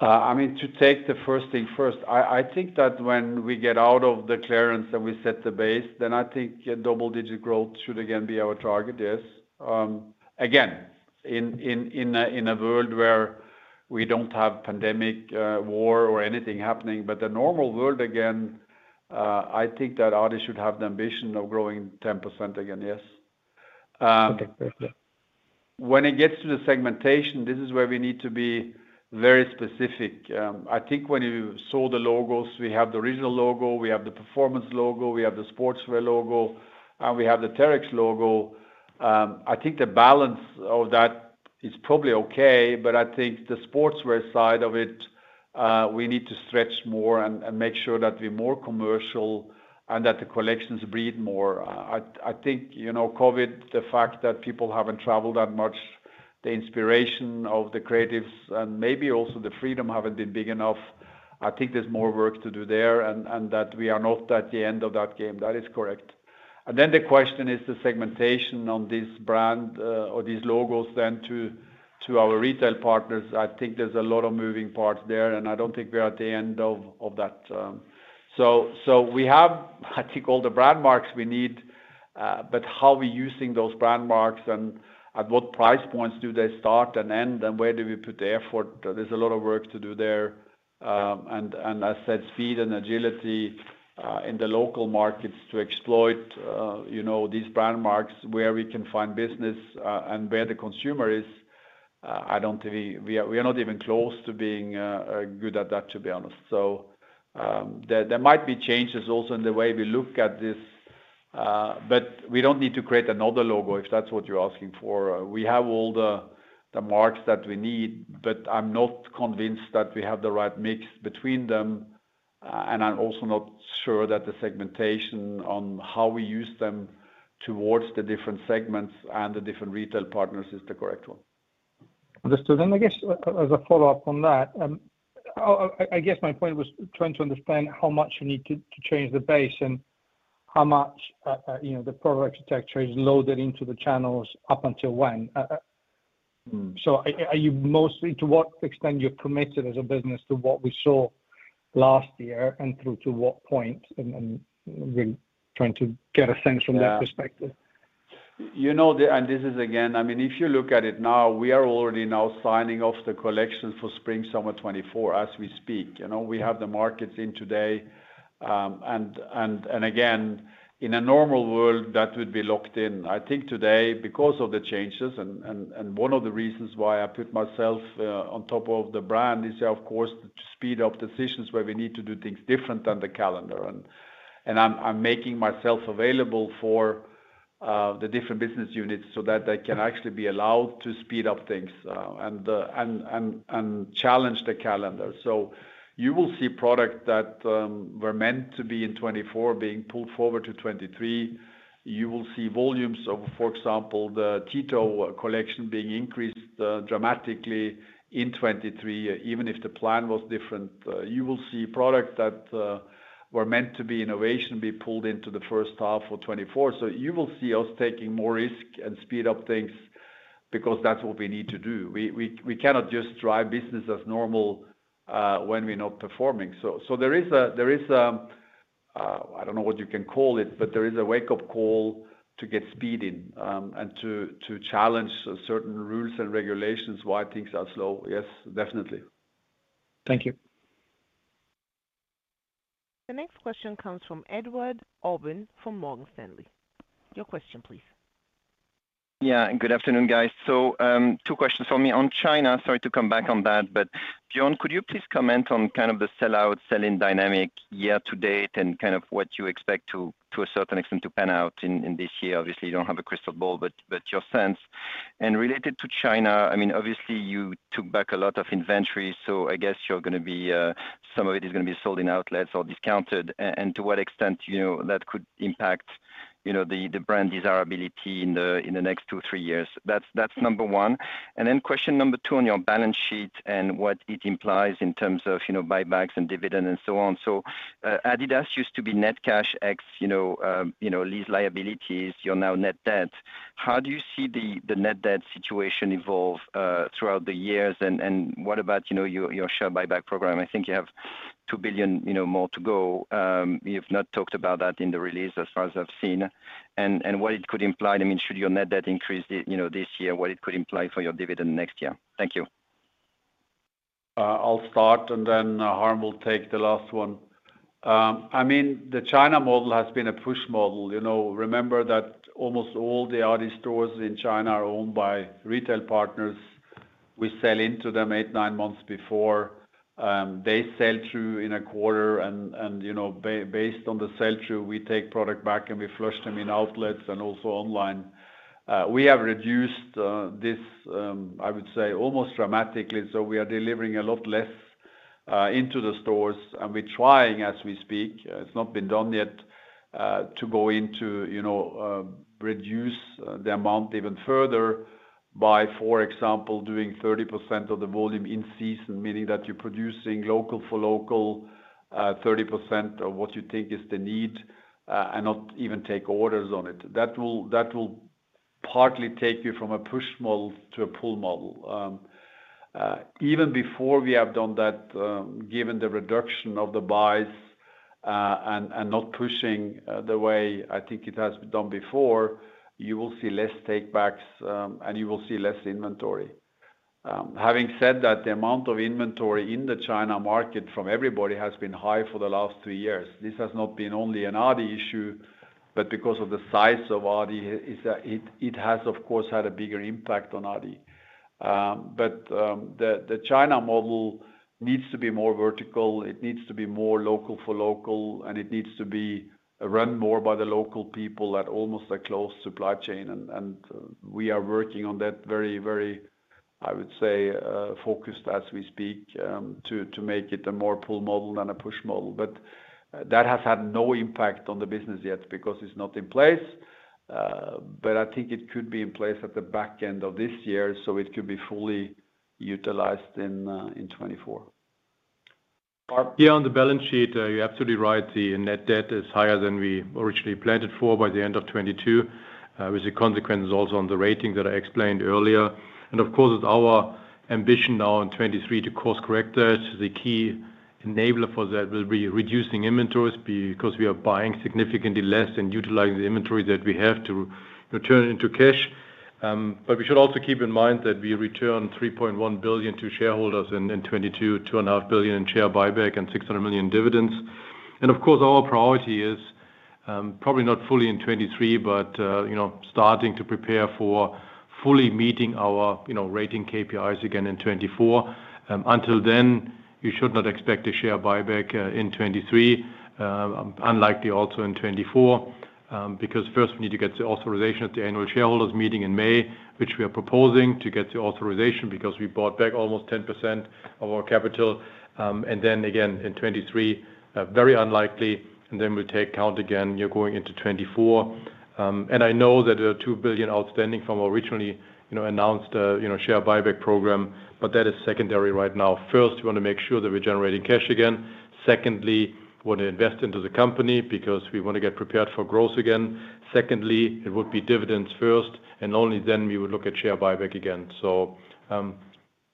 you're looking for? I mean, to take the first thing first, I think that when we get out of the clearance and we set the base, then I think double-digit growth should again be our target, yes. Again, in a world where we don't have pandemic, war or anything happening, but the normal world, again, I think that adidas should have the ambition of growing 10% again, yes. Okay. Perfect. When it gets to the segmentation, this is where we need to be very specific. I think when you saw the logos, we have the original logo, we have the performance logo, we have the sportswear logo, and we have the Terrex logo. I think the balance of that is probably okay, but I think the sportswear side of it, we need to stretch more and make sure that we're more commercial and that the collections breathe more. I think, you know, COVID, the fact that people haven't traveled that much, the inspiration of the creatives and maybe also the freedom haven't been big enough. I think there's more work to do there, and that we are not at the end of that game. That is correct. The question is the segmentation on this brand, or these logos then to our retail partners. I think there's a lot of moving parts there, and I don't think we are at the end of that. We have, I think, all the brand marks we need, but how we're using those brand marks and at what price points do they start and end, and where do we put the effort? There's a lot of work to do there. I said speed and agility in the local markets to exploit, you know, these brand marks where we can find business, and where the consumer is. I don't think we are not even close to being good at that, to be honest. There might be changes also in the way we look at this, but we don't need to create another logo, if that's what you're asking for. We have all the marks that we need, but I'm not convinced that we have the right mix between them, and I'm also not sure that the segmentation on how we use them towards the different segments and the different retail partners is the correct one. Understood. I guess as a follow-up on that, I guess my point was trying to understand how much you need to change the base and how much, you know, the product architecture is loaded into the channels up until when. Mm. Are you mostly to what extent you're committed as a business to what we saw last year and through to what point? We're trying to get a sense from that perspective. Yeah. You know, this is again, I mean, if you look at it now, we are already now signing off the collections for spring/summer 2024 as we speak. You know, we have the markets in today. Again, in a normal world, that would be locked in. I think today because of the changes and one of the reasons why I put myself on top of the brand is of course the speed of decisions where we need to do things different than the calendar. I'm making myself available for the different business units so that they can actually be allowed to speed up things and challenge the calendar. You will see product that were meant to be in 2024 being pulled forward to 2023. You will see volumes of, for example, the Terrace collection being increased dramatically in 2023, even if the plan was different. You will see products that were meant to be innovation, be pulled into the first half of 2024. You will see us taking more risk and speed up things because that's what we need to do. We cannot just drive business as normal when we're not performing. There is a, I don't know what you can call it, but there is a wake-up call to get speed in, and to challenge certain rules and regulations why things are slow. Yes, definitely. Thank you. The next question comes from Edouard Aubin from Morgan Stanley. Your question please. Yeah, good afternoon, guys. Two questions from me. On China, sorry to come back on that, Bjørn, could you please comment on kind of the sell out, sell in dynamic year to date and kind of what you expect to a certain extent to pan out in this year? Obviously, you don't have a crystal ball, but your sense. Related to China, I mean obviously you took back a lot of inventory, so I guess you're gonna be some of it is gonna be sold in outlets or discounted. To what extent, you know, that could impact, you know, the brand desirability in the next two, three years. That's number one. Question number two on your balance sheet and what it implies in terms of, you know, buybacks and dividend and so on. adidas used to be net cash X, you know, you know, lease liabilities. You're now net debt. How do you see the net debt situation evolve throughout the years? What about, you know, your share buyback program? I think you have 2 billion, you know, more to go. You've not talked about that in the release as far as I've seen. What it could imply, I mean, should your net debt increase, you know, this year, what it could imply for your dividend next year? Thank you. I'll start, and then Harm will take the last one. I mean, the China model has been a push model. You know, remember that almost all the adidas stores in China are owned by retail partners. We sell into them eight, nine months before, they sell through in a quarter and, you know, based on the sell-through, we take product back, and we flush them in outlets and also online. We have reduced this, I would say almost dramatically, so we are delivering a lot less into the stores, and we're trying as we speak, it's not been done yet, to go into, you know, reduce the amount even further by, for example, doing 30% of the volume in season, meaning that you're producing local for local, 30% of what you think is the need, and not even take orders on it. That will partly take you from a push model to a pull model. Even before we have done that, given the reduction of the buys, and not pushing, the way I think it has been done before, you will see less take backs, and you will see less inventory. Having said that, the amount of inventory in the China market from everybody has been high for the last three years. This has not been only an adidas issue, but because of the size of adidas, it has of course had a bigger impact on adidas. The China model needs to be more vertical, it needs to be more local for local, and it needs to be run more by the local people at almost a close supply chain. We are working on that very, I would say, focused as we speak, to make it a more pull model than a push model. That has had no impact on the business yet because it's not in place. I think it could be in place at the back end of this year, so it could be fully utilized in 2024. Mark. On the balance sheet, you're absolutely right. The net debt is higher than we originally planned it for by the end of 2022. With the consequence results on the rating that I explained earlier. It's our ambition now in 2023 to course-correct that. The key enabler for that will be reducing inventories because we are buying significantly less and utilizing the inventory that we have to return into cash. We should also keep in mind that we return 3.1 billion to shareholders in 2022, two and a half billion in share buyback, and 600 million dividends. Our priority is, probably not fully in 2023, but, you know, starting to prepare for fully meeting our, you know, rating KPIs again in 2024. Until then, you should not expect a share buyback in 2023. Unlikely also in 2024, because first we need to get the authorization at the annual shareholders meeting in May, which we are proposing to get the authorization because we bought back almost 10% of our capital. Then again in 2023, very unlikely, and then we'll take count again, you're going into 2024. I know that there are 2 billion outstanding from originally, you know, announced, you know, share buyback program, but that is secondary right now. First, we wanna make sure that we're generating cash again. Secondly, we wanna invest into the company because we wanna get prepared for growth again. Secondly, it would be dividends first, and only then we would look at share buyback again.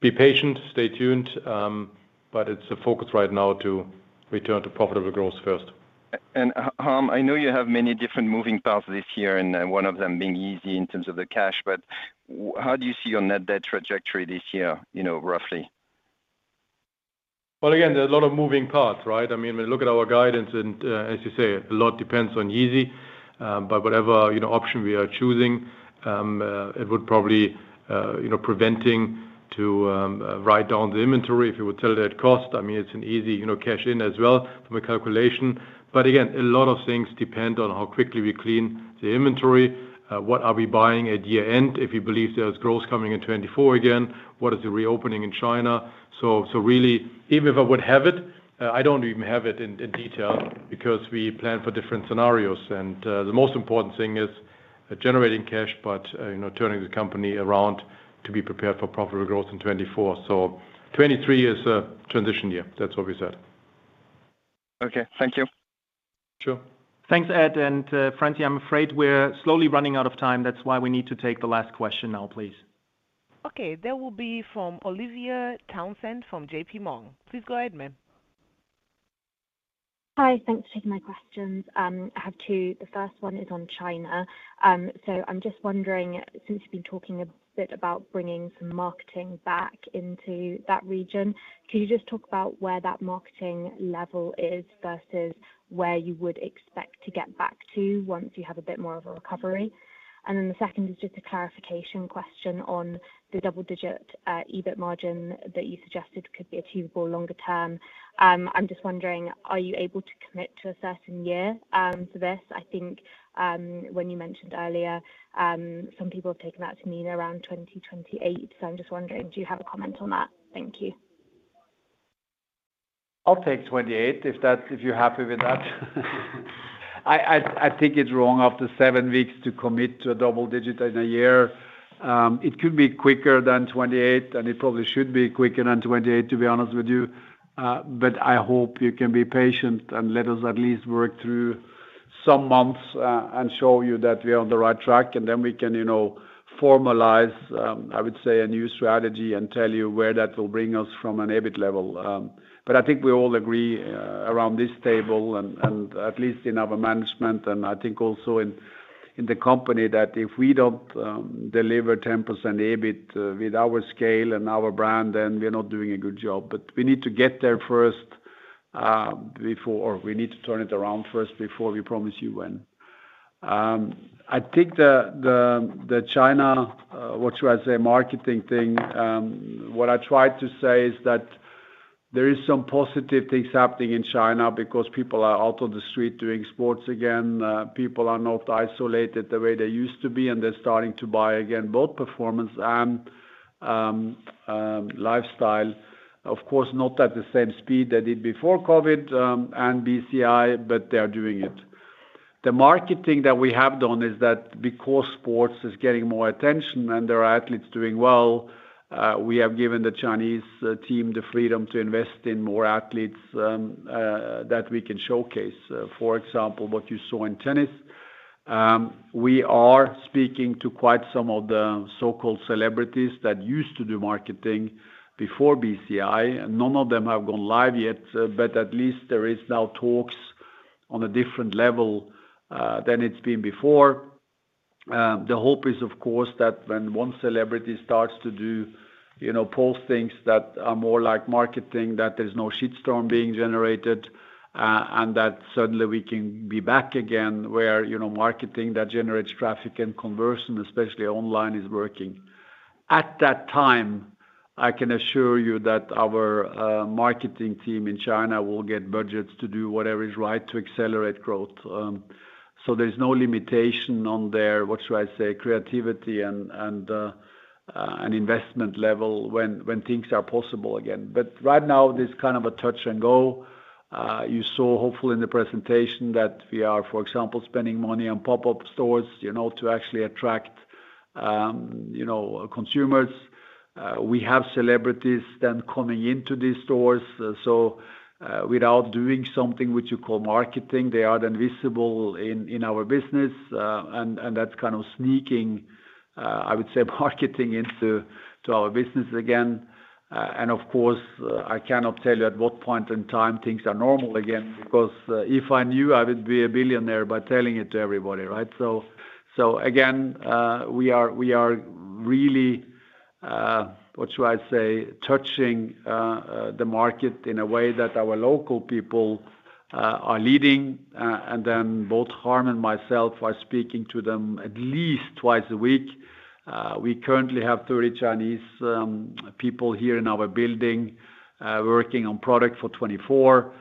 Be patient, stay tuned, it's a focus right now to return to profitable growth first. Harm, I know you have many different moving parts this year, and one of them being easy in terms of the cash, but how do you see your net debt trajectory this year, you know, roughly? Well, again, there are a lot of moving parts, right? I mean, we look at our guidance and, as you say, a lot depends on Yeezy. Whatever, you know, option we are choosing, it would probably, you know, preventing to write down the inventory, if you would sell it at cost. I mean, it's an easy, you know, cash in as well from a calculation. Again, a lot of things depend on how quickly we clean the inventory, what are we buying at year-end, if you believe there's growth coming in 2024 again, what is the reopening in China. Really, even if I would have it, I don't even have it in detail because we plan for different scenarios. The most important thing is generating cash, you know, turning the company around to be prepared for profitable growth in 2024. 2023 is a transition year. That's what we said. Okay. Thank you. Sure. Thanks, Ed. Franci, I'm afraid we're slowly running out of time. That's why we need to take the last question now, please. Okay. That will be from Olivia Townsend from J.P. Morgan. Please go ahead, ma'am. Hi. Thanks for taking my questions. I have two. The first one is on China. I'm just wondering, since you've been talking a bit about bringing some marketing back into that region, can you just talk about where that marketing level is versus where you would expect to get back to once you have a bit more of a recovery? The second is just a clarification question on the double-digit EBIT margin that you suggested could be achievable longer term. I'm just wondering, are you able to commit to a certain year for this? I think, when you mentioned earlier, some people have taken that to mean around 2028. I'm just wondering, do you have a comment on that? Thank you. I'll take 28 if you're happy with that. I think it's wrong after seven weeks to commit to a double-digit in a year. It could be quicker than 28, and it probably should be quicker than 28, to be honest with you. I hope you can be patient and let us at least work through some months and show you that we're on the right track, and then we can, you know, formalize, I would say, a new strategy and tell you where that will bring us from an EBIT level. I think we all agree around this table and at least in our management, and I think also in the company, that if we don't deliver 10% EBIT with our scale and our brand, then we're not doing a good job. We need to get there first, or we need to turn it around first before we promise you when. I think the China, what should I say, marketing thing, what I tried to say is that there is some positive things happening in China because people are out on the street doing sports again. People are not isolated the way they used to be, and they're starting to buy again, both performance and lifestyle. Of course, not at the same speed they did before COVID and BCI, but they are doing it. The marketing that we have done is that because sports is getting more attention and there are athletes doing well, we have given the Chinese team the freedom to invest in more athletes that we can showcase. For example, what you saw in tennis. We are speaking to quite some of the so-called celebrities that used to do marketing before BCI, and none of them have gone live yet, but at least there is now talks on a different level than it's been before. The hope is, of course, that when one celebrity starts to do, you know, post things that are more like marketing, that there's no storm being generated, and that suddenly we can be back again where, you know, marketing that generates traffic and conversion, especially online, is working. At that time, I can assure you that our marketing team in China will get budgets to do whatever is right to accelerate growth. There's no limitation on their, what should I say, creativity and investment level when things are possible again. Right now, there's kind of a touch and go. You saw, hopefully, in the presentation that we are, for example, spending money on pop-up stores, you know, to actually attract, you know, consumers. We have celebrities then coming into these stores. Without doing something which you call marketing, they are then visible in our business. And that's kind of sneaking, I would say marketing into our business again. Of course, I cannot tell you at what point in time things are normal again, because if I knew, I would be a billionaire by telling it to everybody, right? Again, we are really, what should I say? Touching the market in a way that our local people are leading. Both Harm and myself are speaking to them at least twice a week. We currently have 30 Chinese people here in our building working on product for 2024.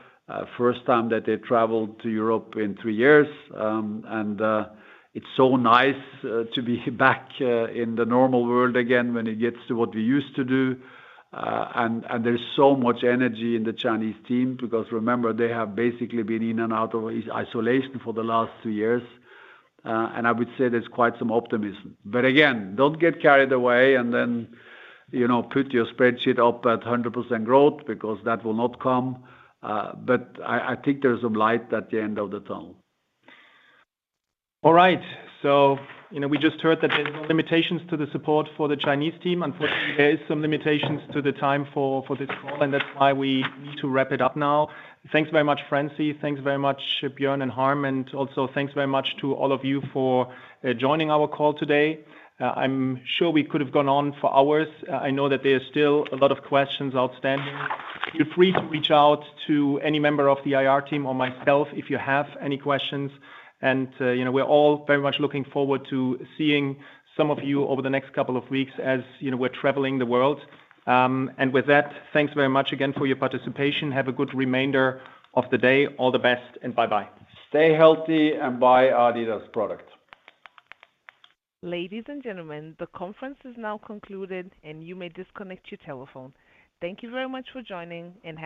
First time that they traveled to Europe in 3 years. It's so nice to be back in the normal world again when it gets to what we used to do. There's so much energy in the Chinese team because remember, they have basically been in and out of isolation for the last 2 years. I would say there's quite some optimism. Again, don't get carried away and then, you know, put your spreadsheet up at 100% growth, because that will not come. I think there's some light at the end of the tunnel. All right. You know, we just heard that there's no limitations to the support for the Chinese team. Unfortunately, there is some limitations to the time for this call, and that's why we need to wrap it up now. Thanks very much, Franci. Thanks very much, Bjørn and Harm. Also thanks very much to all of you for, joining our call today. I'm sure we could have gone on for hours. I know that there are still a lot of questions outstanding. Feel free to reach out to any member of the IR team or myself if you have any questions. You know, we're all very much looking forward to seeing some of you over the next couple of weeks as, you know, we're traveling the world. With that, thanks very much again for your participation. Have a good remainder of the day. All the best and bye-bye. Stay healthy and buy adidas product. Ladies and gentlemen, the conference is now concluded and you may disconnect your telephone. Thank you very much for joining.